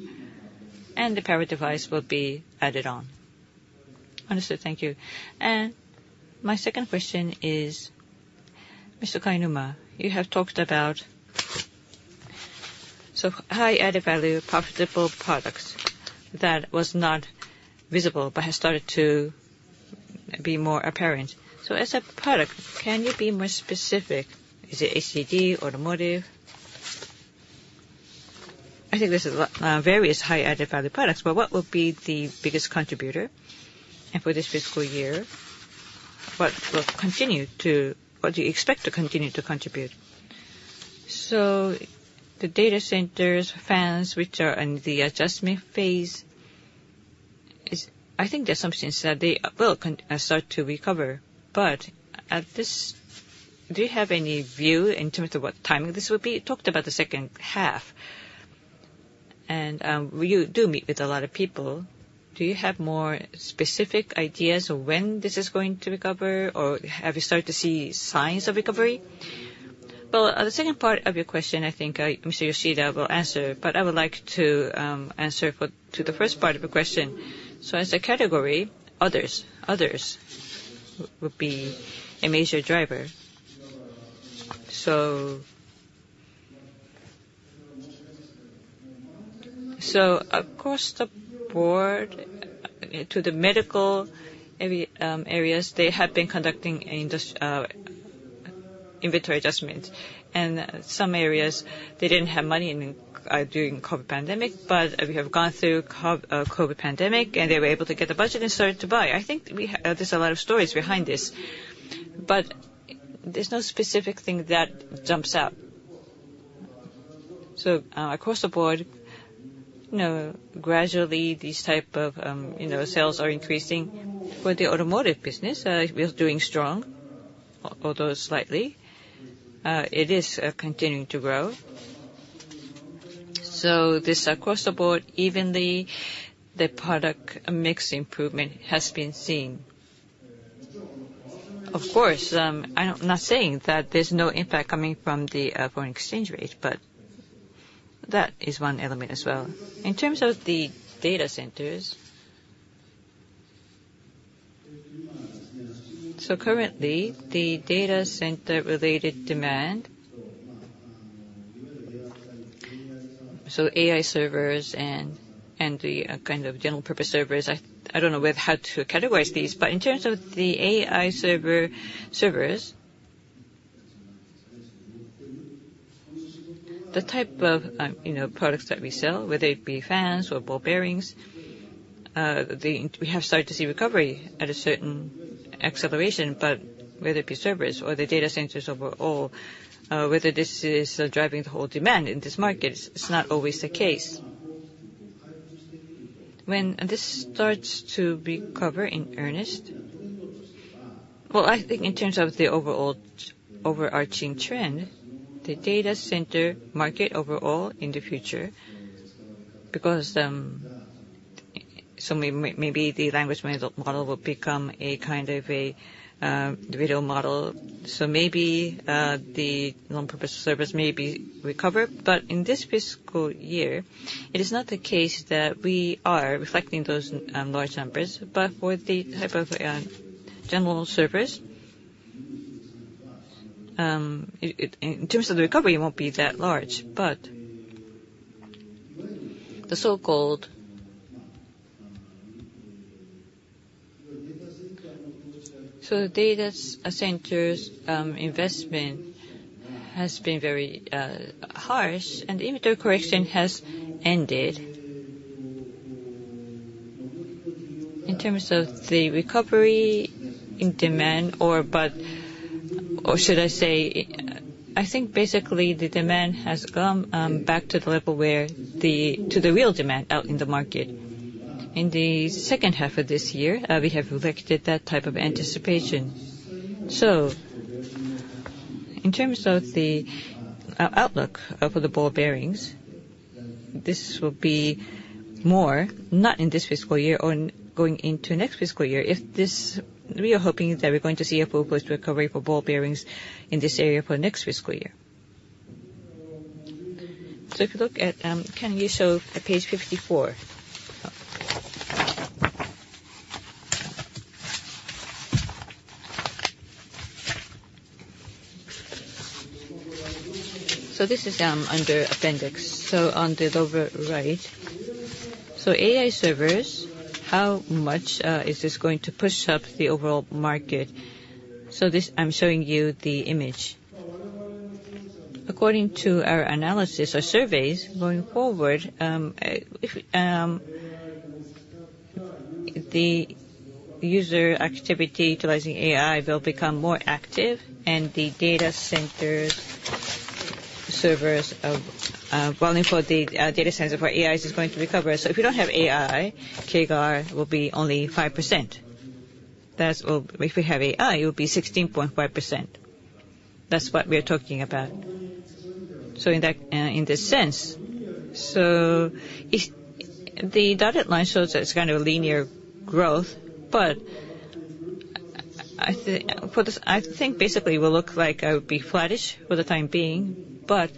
And the power device will be added on. Understood. Thank you. And my second question is, Mr. Kainuma, you have talked about so high-added value, profitable products that was not visible but has started to be more apparent. So, as a product, can you be more specific? Is it HDD, automotive? I think there's a lot, various high value-added products. But what will be the biggest contributor for this fiscal year? What do you expect to continue to contribute? So, the data centers, fans, which are in the adjustment phase, I think the assumption is that they will start to recover. But do you have any view in terms of what timing this will be? You talked about the second half. You do meet with a lot of people. Do you have more specific ideas of when this is going to recover? Or have you started to see signs of recovery? Well, the second part of your question, I think, Mr. Yoshida will answer. But I would like to answer the first part of your question. So, as a category, others will be a major driver. So, across the board, to the medical areas, they have been conducting an inventory adjustment. Some areas, they didn't have money in during COVID pandemic. But we have gone through COVID pandemic, and they were able to get the budget and started to buy. I think there's a lot of stories behind this. But there's no specific thing that jumps out. So, across the board, you know, gradually, these type of, you know, sales are increasing. For the automotive business, we are doing strong, although slightly. It is continuing to grow. So, this across the board, evenly, the product mix improvement has been seen. Of course, I'm not saying that there's no impact coming from the foreign exchange rate. But that is one element as well. In terms of the data centers, currently, the data center-related demand, so AI servers and the kind of general-purpose servers, I don't know how to categorize these. But in terms of the AI servers, the type of, you know, products that we sell, whether it be fans or ball bearings, then we have started to see recovery at a certain acceleration. But whether it be servers or the data centers overall, whether this is driving the whole demand in this market, it's not always the case. When this starts to recover in earnest, well, I think in terms of the overall overarching trend, the data center market overall in the future, because so maybe the language model will become a kind of a video model. So maybe the general-purpose servers may be recovered. But in this fiscal year, it is not the case that we are reflecting those large numbers. But for the type of general servers, in terms of the recovery, it won't be that large. But the so-called data centers investment has been very harsh. And the inventory correction has ended. In terms of the recovery in demand, I think basically the demand has gone back to the level where the to the real demand out in the market. In the second half of this year, we have reflected that type of anticipation. So, in terms of the outlook for the ball bearings, this will be more not in this fiscal year or going into next fiscal year. We are hoping that we're going to see a full-fledged recovery for ball bearings in this area for next fiscal year. So, if you look at, can you show page 54? So, this is under appendix. So, on the lower right, AI servers, how much is this going to push up the overall market? So, this I'm showing you the image. According to our analysis, our surveys, going forward, if the user activity utilizing AI will become more active. And the data center servers of, well, and for the data centers where AI is going to recover. So, if you don't have AI, CAGR will be only 5%. If we have AI, it will be 16.5%. That's what we are talking about. So, in this sense, if the dotted line shows that it's kind of a linear growth. But I think basically, it will look like it will be flattish for the time being. But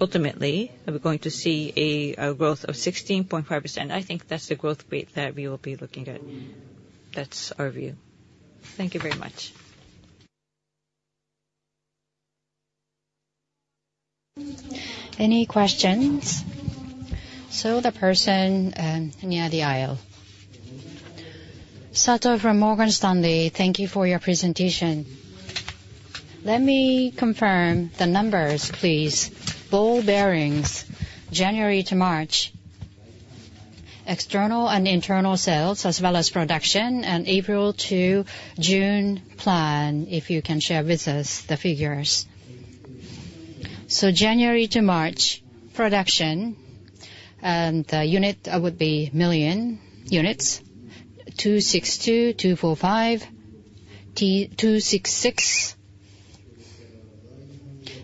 ultimately, we're going to see a growth of 16.5%. I think that's the growth rate that we will be looking at. That's our view. Thank you very much. Any questions? So, the person near the aisle. Sato from Morgan Stanley, thank you for your presentation. Let me confirm the numbers, please. Ball bearings, January to March, external and internal sales as well as production, and April to June plan, if you can share with us the figures. So, January to March, production, and the unit would be million units, 262, 245, then 266.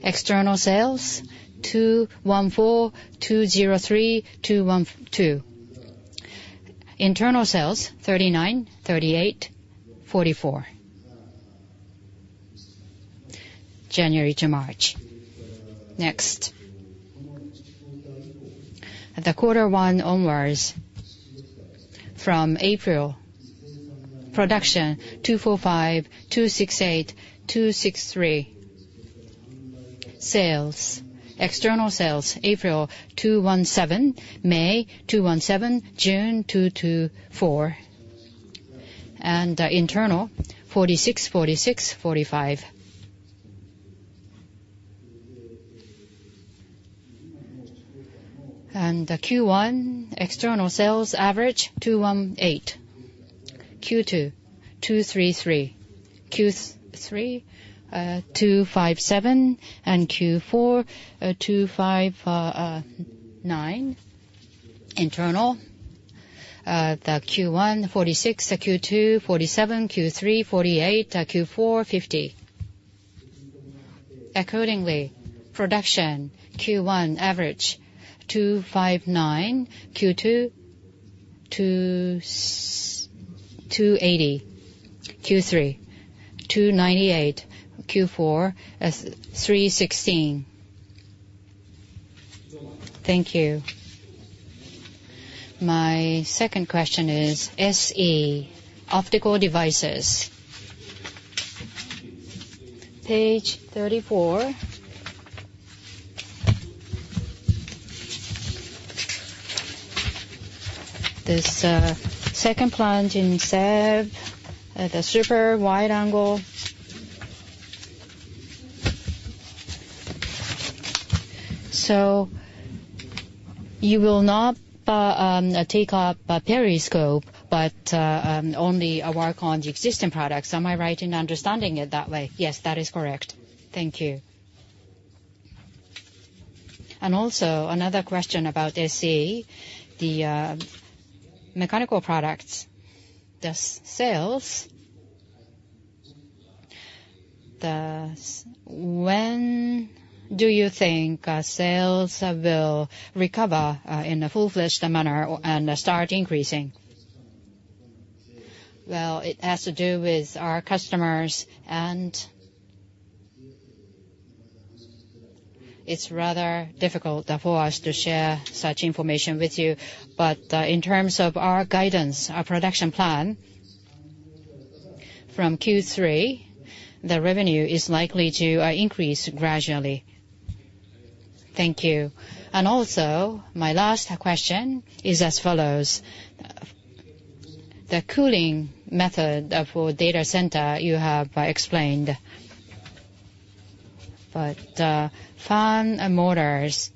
External sales, 214, 203, 212. Internal sales, 39, 38, 44. January to March. Next. The quarter one onwards from April, production, 245, 268, 263. Sales, external sales, April, 217, May, 217, June, 224. Internal, 46, 46, 45. Q1, external sales average, 218. Q2, 233. Q3, 257. Q4, 259. Internal, Q1, 46. Q2, 47. Q3, 48. Q4, 50. Accordingly, production, Q1 average, 259. Q2, 282. Q3, 298. Q4, 316. Thank you. My second question is SE, optical devices. Page 34. This, second plant in Cebu, the super wide-angle. So, you will not take up periscope, but only work on the existing products. Am I right in understanding it that way? Yes, that is correct. Thank you. Another question about SE, the mechanical products, the sales. When do you think sales will recover in a full-fledged manner and start increasing? Well, it has to do with our customers. It's rather difficult for us to share such information with you. But in terms of our guidance, our production plan from Q3, the revenue is likely to increase gradually. Thank you. Also, my last question is as follows. The cooling method for data center you have explained. But fan and motors,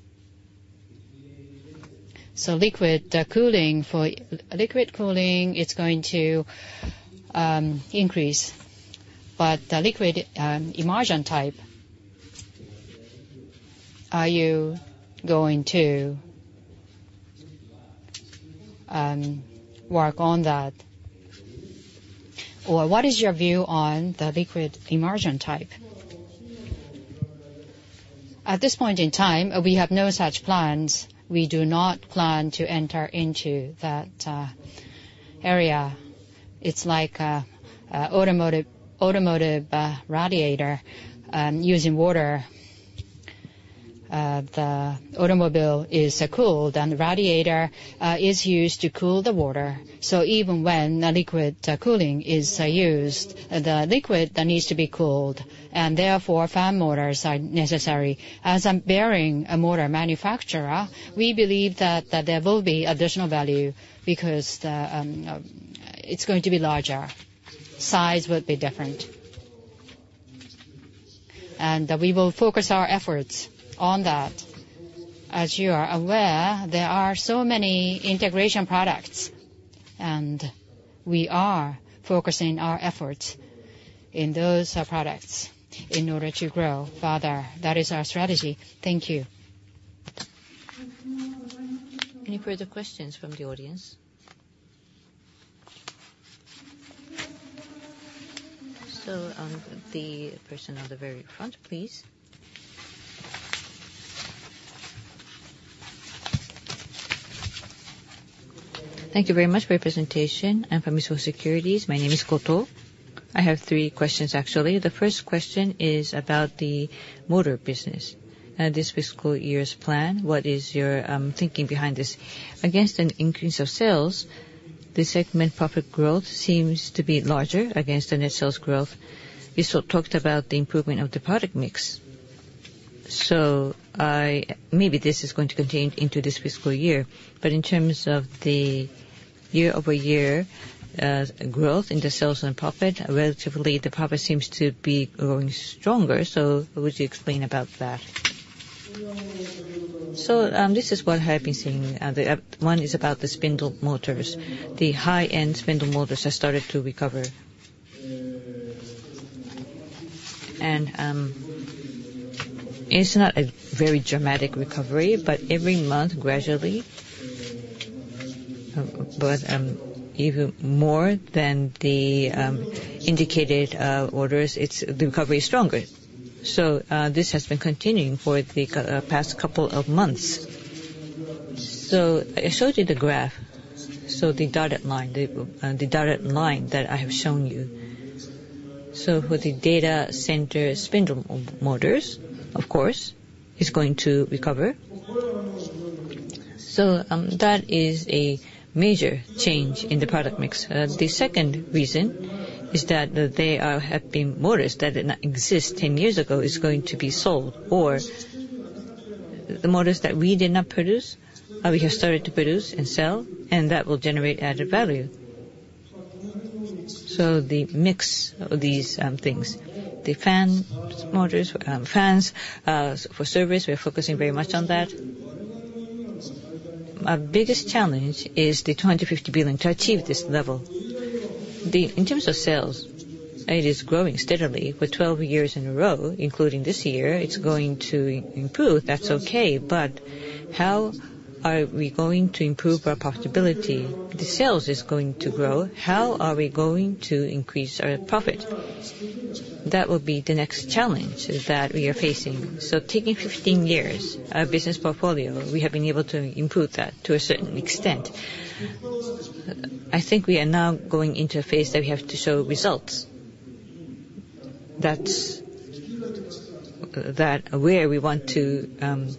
so liquid cooling for liquid cooling, it's going to increase. But the liquid immersion type, are you going to work on that? Or what is your view on the liquid immersion type? At this point in time, we have no such plans. We do not plan to enter into that area. It's like automotive automotive radiator using water. The automobile is cooled. And the radiator is used to cool the water. So even when liquid cooling is used, the liquid that needs to be cooled, and therefore, fan motors are necessary. As a bearing, motor manufacturer, we believe that there will be additional value because it's going to be larger. Size would be different. We will focus our efforts on that. As you are aware, there are so many integration products. We are focusing our efforts in those products in order to grow farther. That is our strategy. Thank you. Any further questions from the audience? The person on the very front, please. Thank you very much for your presentation. I'm from Mizuho Securities. My name is Koto. I have three questions, actually. The first question is about the motor business, this fiscal year's plan. What is your thinking behind this? Against an increase of sales, the segment profit growth seems to be larger against the net sales growth. You so talked about the improvement of the product mix. So, maybe this is going to continue into this fiscal year. But in terms of the year-over-year growth in the sales and profit, relatively, the profit seems to be growing stronger. So, what would you explain about that? So, this is what I've been seeing. One is about the spindle motors. The high-end spindle motors have started to recover. And, it's not a very dramatic recovery. But every month, gradually, even more than the indicated orders, it's the recovery is stronger. So, this has been continuing for the past couple of months. So, I showed you the graph. So, the dotted line, the dotted line that I have shown you. So, for the data center spindle motors, of course, it's going to recover. So, that is a major change in the product mix. The second reason is that there have been motors that did not exist 10 years ago is going to be sold. Or the motors that we did not produce, we have started to produce and sell. And that will generate added value. So, the mix of these things, the fan motors, fans for service, we are focusing very much on that. Our biggest challenge is the 2,050 billion to achieve this level. Then in terms of sales, it is growing steadily for 12 years in a row, including this year. It's going to improve. That's okay. But how are we going to improve our profitability? The sales is going to grow. How are we going to increase our profit? That will be the next challenge that we are facing. So, taking 15 years, our business portfolio, we have been able to improve that to a certain extent. I think we are now going into a phase that we have to show results. That's where we want to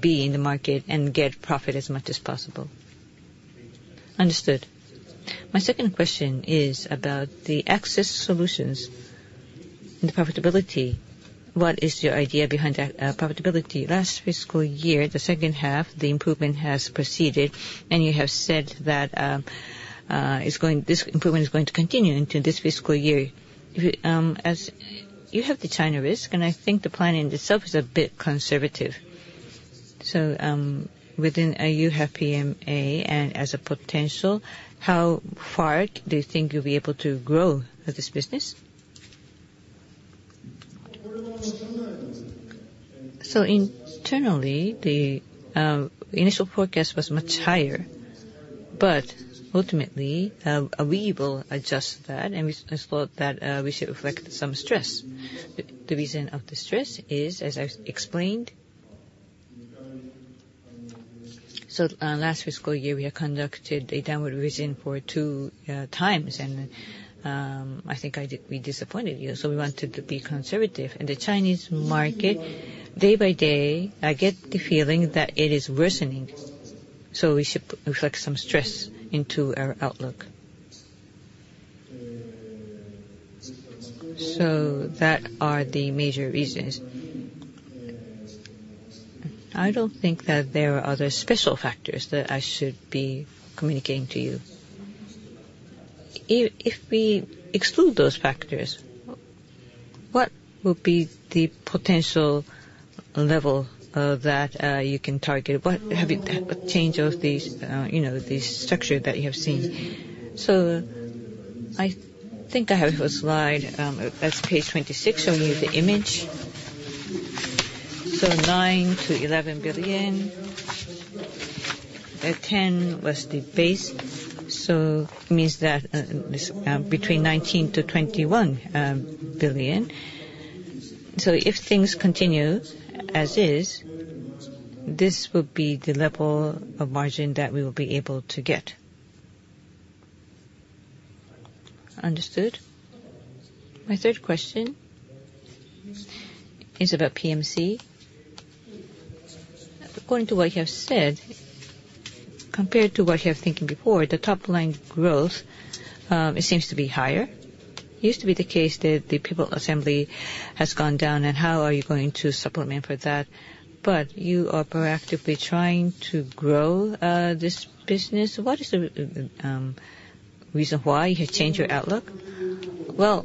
be in the market and get profit as much as possible. Understood. My second question is about the access solutions and the profitability. What is your idea behind profitability? Last fiscal year, the second half, the improvement has proceeded. And you have said that it's going this improvement is going to continue into this fiscal year. If you, as you have the China risk. And I think the planning itself is a bit conservative. So within you have PMC. And as a potential, how far do you think you'll be able to grow this business? So internally the initial forecast was much higher. But ultimately we will adjust that. And I thought that we should reflect some stress. The reason of the stress is, as I've explained, last fiscal year, we have conducted a downward revision two times. I think we disappointed you. We wanted to be conservative. The Chinese market, day by day, I get the feeling that it is worsening. We should reflect some stress into our outlook. Those are the major reasons. I don't think that there are other special factors that I should be communicating to you. If we exclude those factors, what will be the potential level that you can target? What have you what change of these, you know, these structure that you have seen? I think I have a slide, that's page 26 showing you the image. 9 billion-11 billion. 10 billion was the base. It means that this between 19 billion-21 billion. So, if things continue as is, this will be the level of margin that we will be able to get. Understood. My third question is about PMC. According to what you have said, compared to what you have thinking before, the top-line growth, it seems to be higher. It used to be the case that the pivot assembly has gone down. And how are you going to supplement for that? But you are proactively trying to grow this business. What is the reason why you have changed your outlook? Well,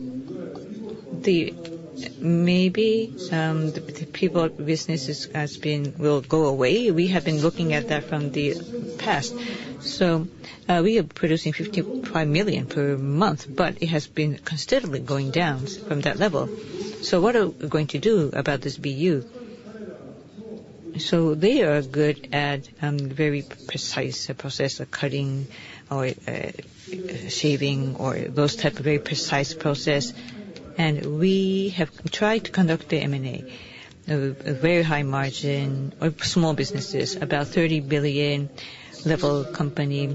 maybe the pivot business has been will go away. We have been looking at that from the past. So, we are producing 55 million per month. But it has been considerably going down from that level. So, what are we going to do about this BU? So, they are good at very precise process of cutting or shaving or those type of very precise process. We have tried to conduct the M&A, a very high margin or small businesses, about 30 billion level company.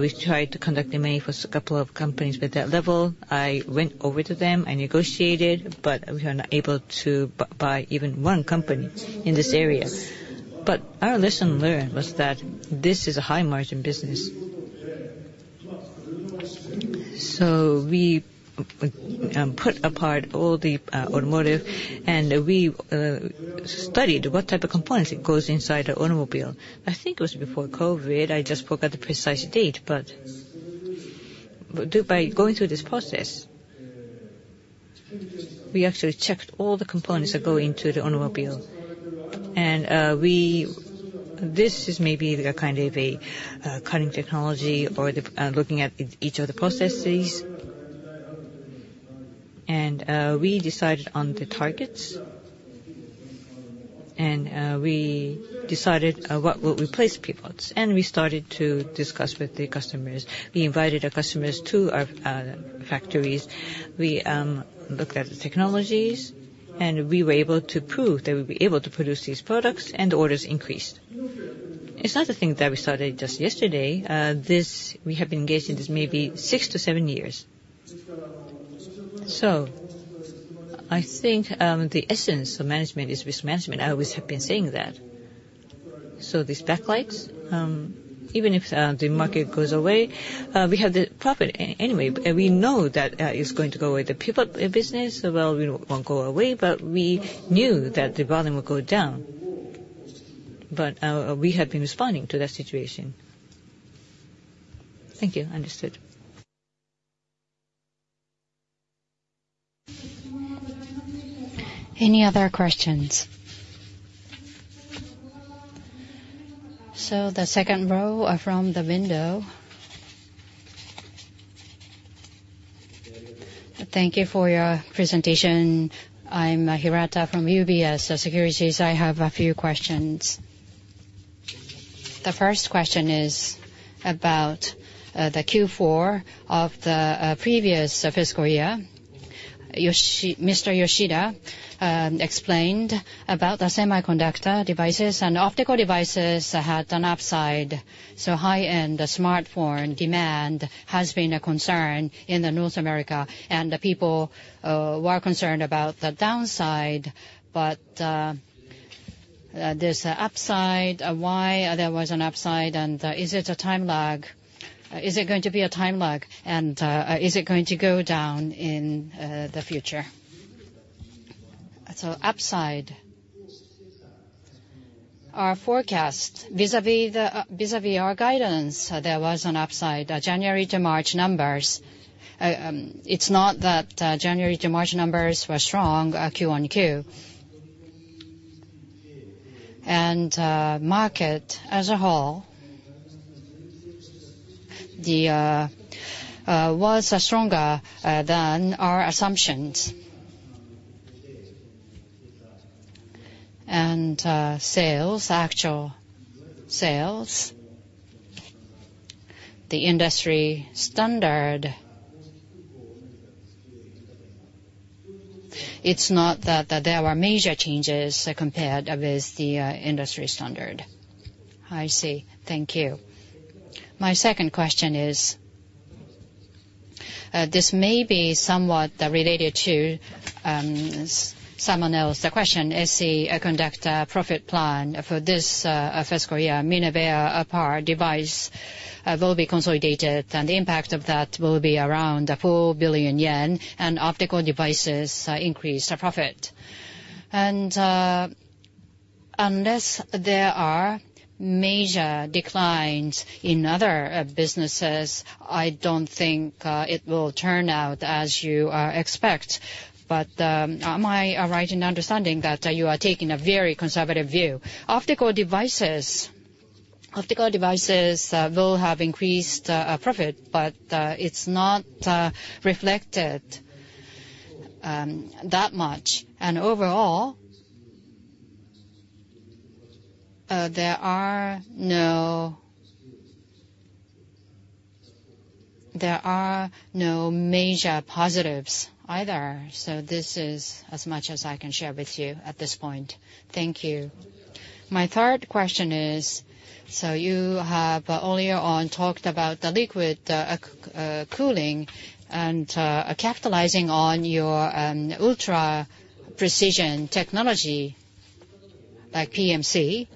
We tried to conduct the M&A for a couple of companies with that level. I went over to them. I negotiated. But we are not able to buy even one company in this area. But our lesson learned was that this is a high-margin business. So, we put apart all the automotive. And we studied what type of components it goes inside a automobile. I think it was before COVID. I just forgot the precise date. But by going through this process, we actually checked all the components that go into the automobile. We—this is maybe the kind of a cutting technology or the looking at each of the processes. We decided on the targets. We decided what will replace pivots. We started to discuss with the customers. We invited our customers to our factories. We looked at the technologies. We were able to prove that we'd be able to produce these products. The orders increased. It's not a thing that we started just yesterday. We have been engaged in this maybe 6-7 years. So, I think the essence of management is risk management. I always have been saying that. So, these backlights, even if the market goes away, we have the profit anyway. We know that it's going to go away. The pivot business, well, we won't go away. But we knew that the volume would go down. We have been responding to that situation. Thank you. Understood. Any other questions? The second row are from the window. Thank you for your presentation. I'm Hirata from UBS Securities. I have a few questions. The first question is about the Q4 of the previous fiscal year. Mr. Yoshida explained about the semiconductor devices. And optical devices had an upside. High-end smartphone demand has been a concern in North America. And the people were concerned about the downside. There's an upside. Why there was an upside? And, is it a time lag? Is it going to be a time lag? And, is it going to go down in the future? Upside. Our forecast vis-à-vis the vis-à-vis our guidance, there was an upside, January to March numbers. It's not that January to March numbers were strong, Q on Q. The market as a whole was stronger than our assumptions. Actual sales, the industry standard, it's not that there were major changes compared with the industry standard. I see. Thank you. My second question is, this may be somewhat related to someone else's question. Is the semiconductor profit plan for this fiscal year, Minebea Power Semiconductor Device, will be consolidated? And the impact of that will be around 4 billion yen and optical devices increase the profit. And unless there are major declines in other businesses, I don't think it will turn out as you expect. But am I right in understanding that you are taking a very conservative view? Optical devices will have increased profit. But it's not reflected that much. And overall, there are no major positives either. So, this is as much as I can share with you at this point. Thank you. My third question is, so you have earlier on talked about the liquid cooling and capitalizing on your ultra-precision technology like PMC.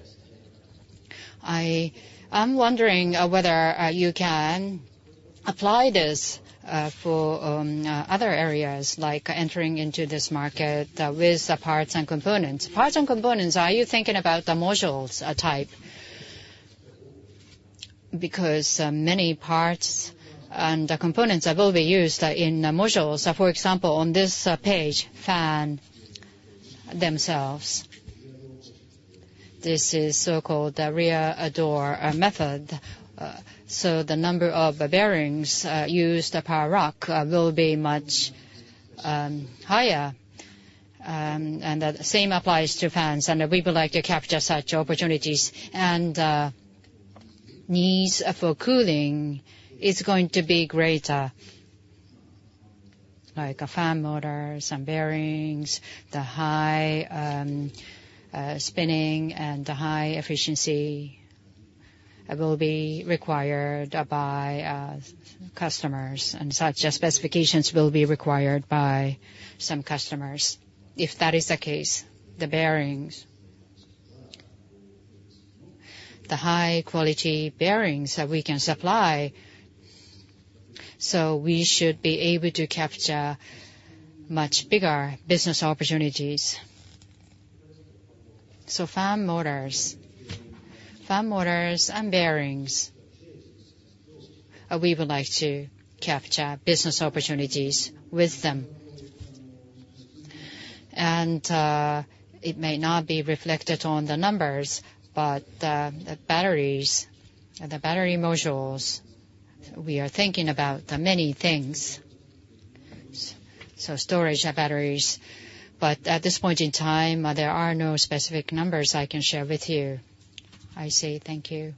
I'm wondering whether you can apply this for other areas like entering into this market with parts and components. Parts and components, are you thinking about the modules type? Because many parts and components will be used in modules. For example, on this page, fan themselves, this is so-called the rear-a-door method. So the number of bearings used to power rock will be much higher. And the same applies to fans. And we would like to capture such opportunities. And needs for cooling is going to be greater, like a fan motor, some bearings, the high spinning and the high efficiency will be required by customers. Such specifications will be required by some customers, if that is the case, the bearings, the high-quality bearings that we can supply. So, we should be able to capture much bigger business opportunities. Fan motors, fan motors and bearings, we would like to capture business opportunities with them. It may not be reflected on the numbers. But, the batteries, the battery modules, we are thinking about the many things, so storage of batteries. But at this point in time, there are no specific numbers I can share with you. I see. Thank you.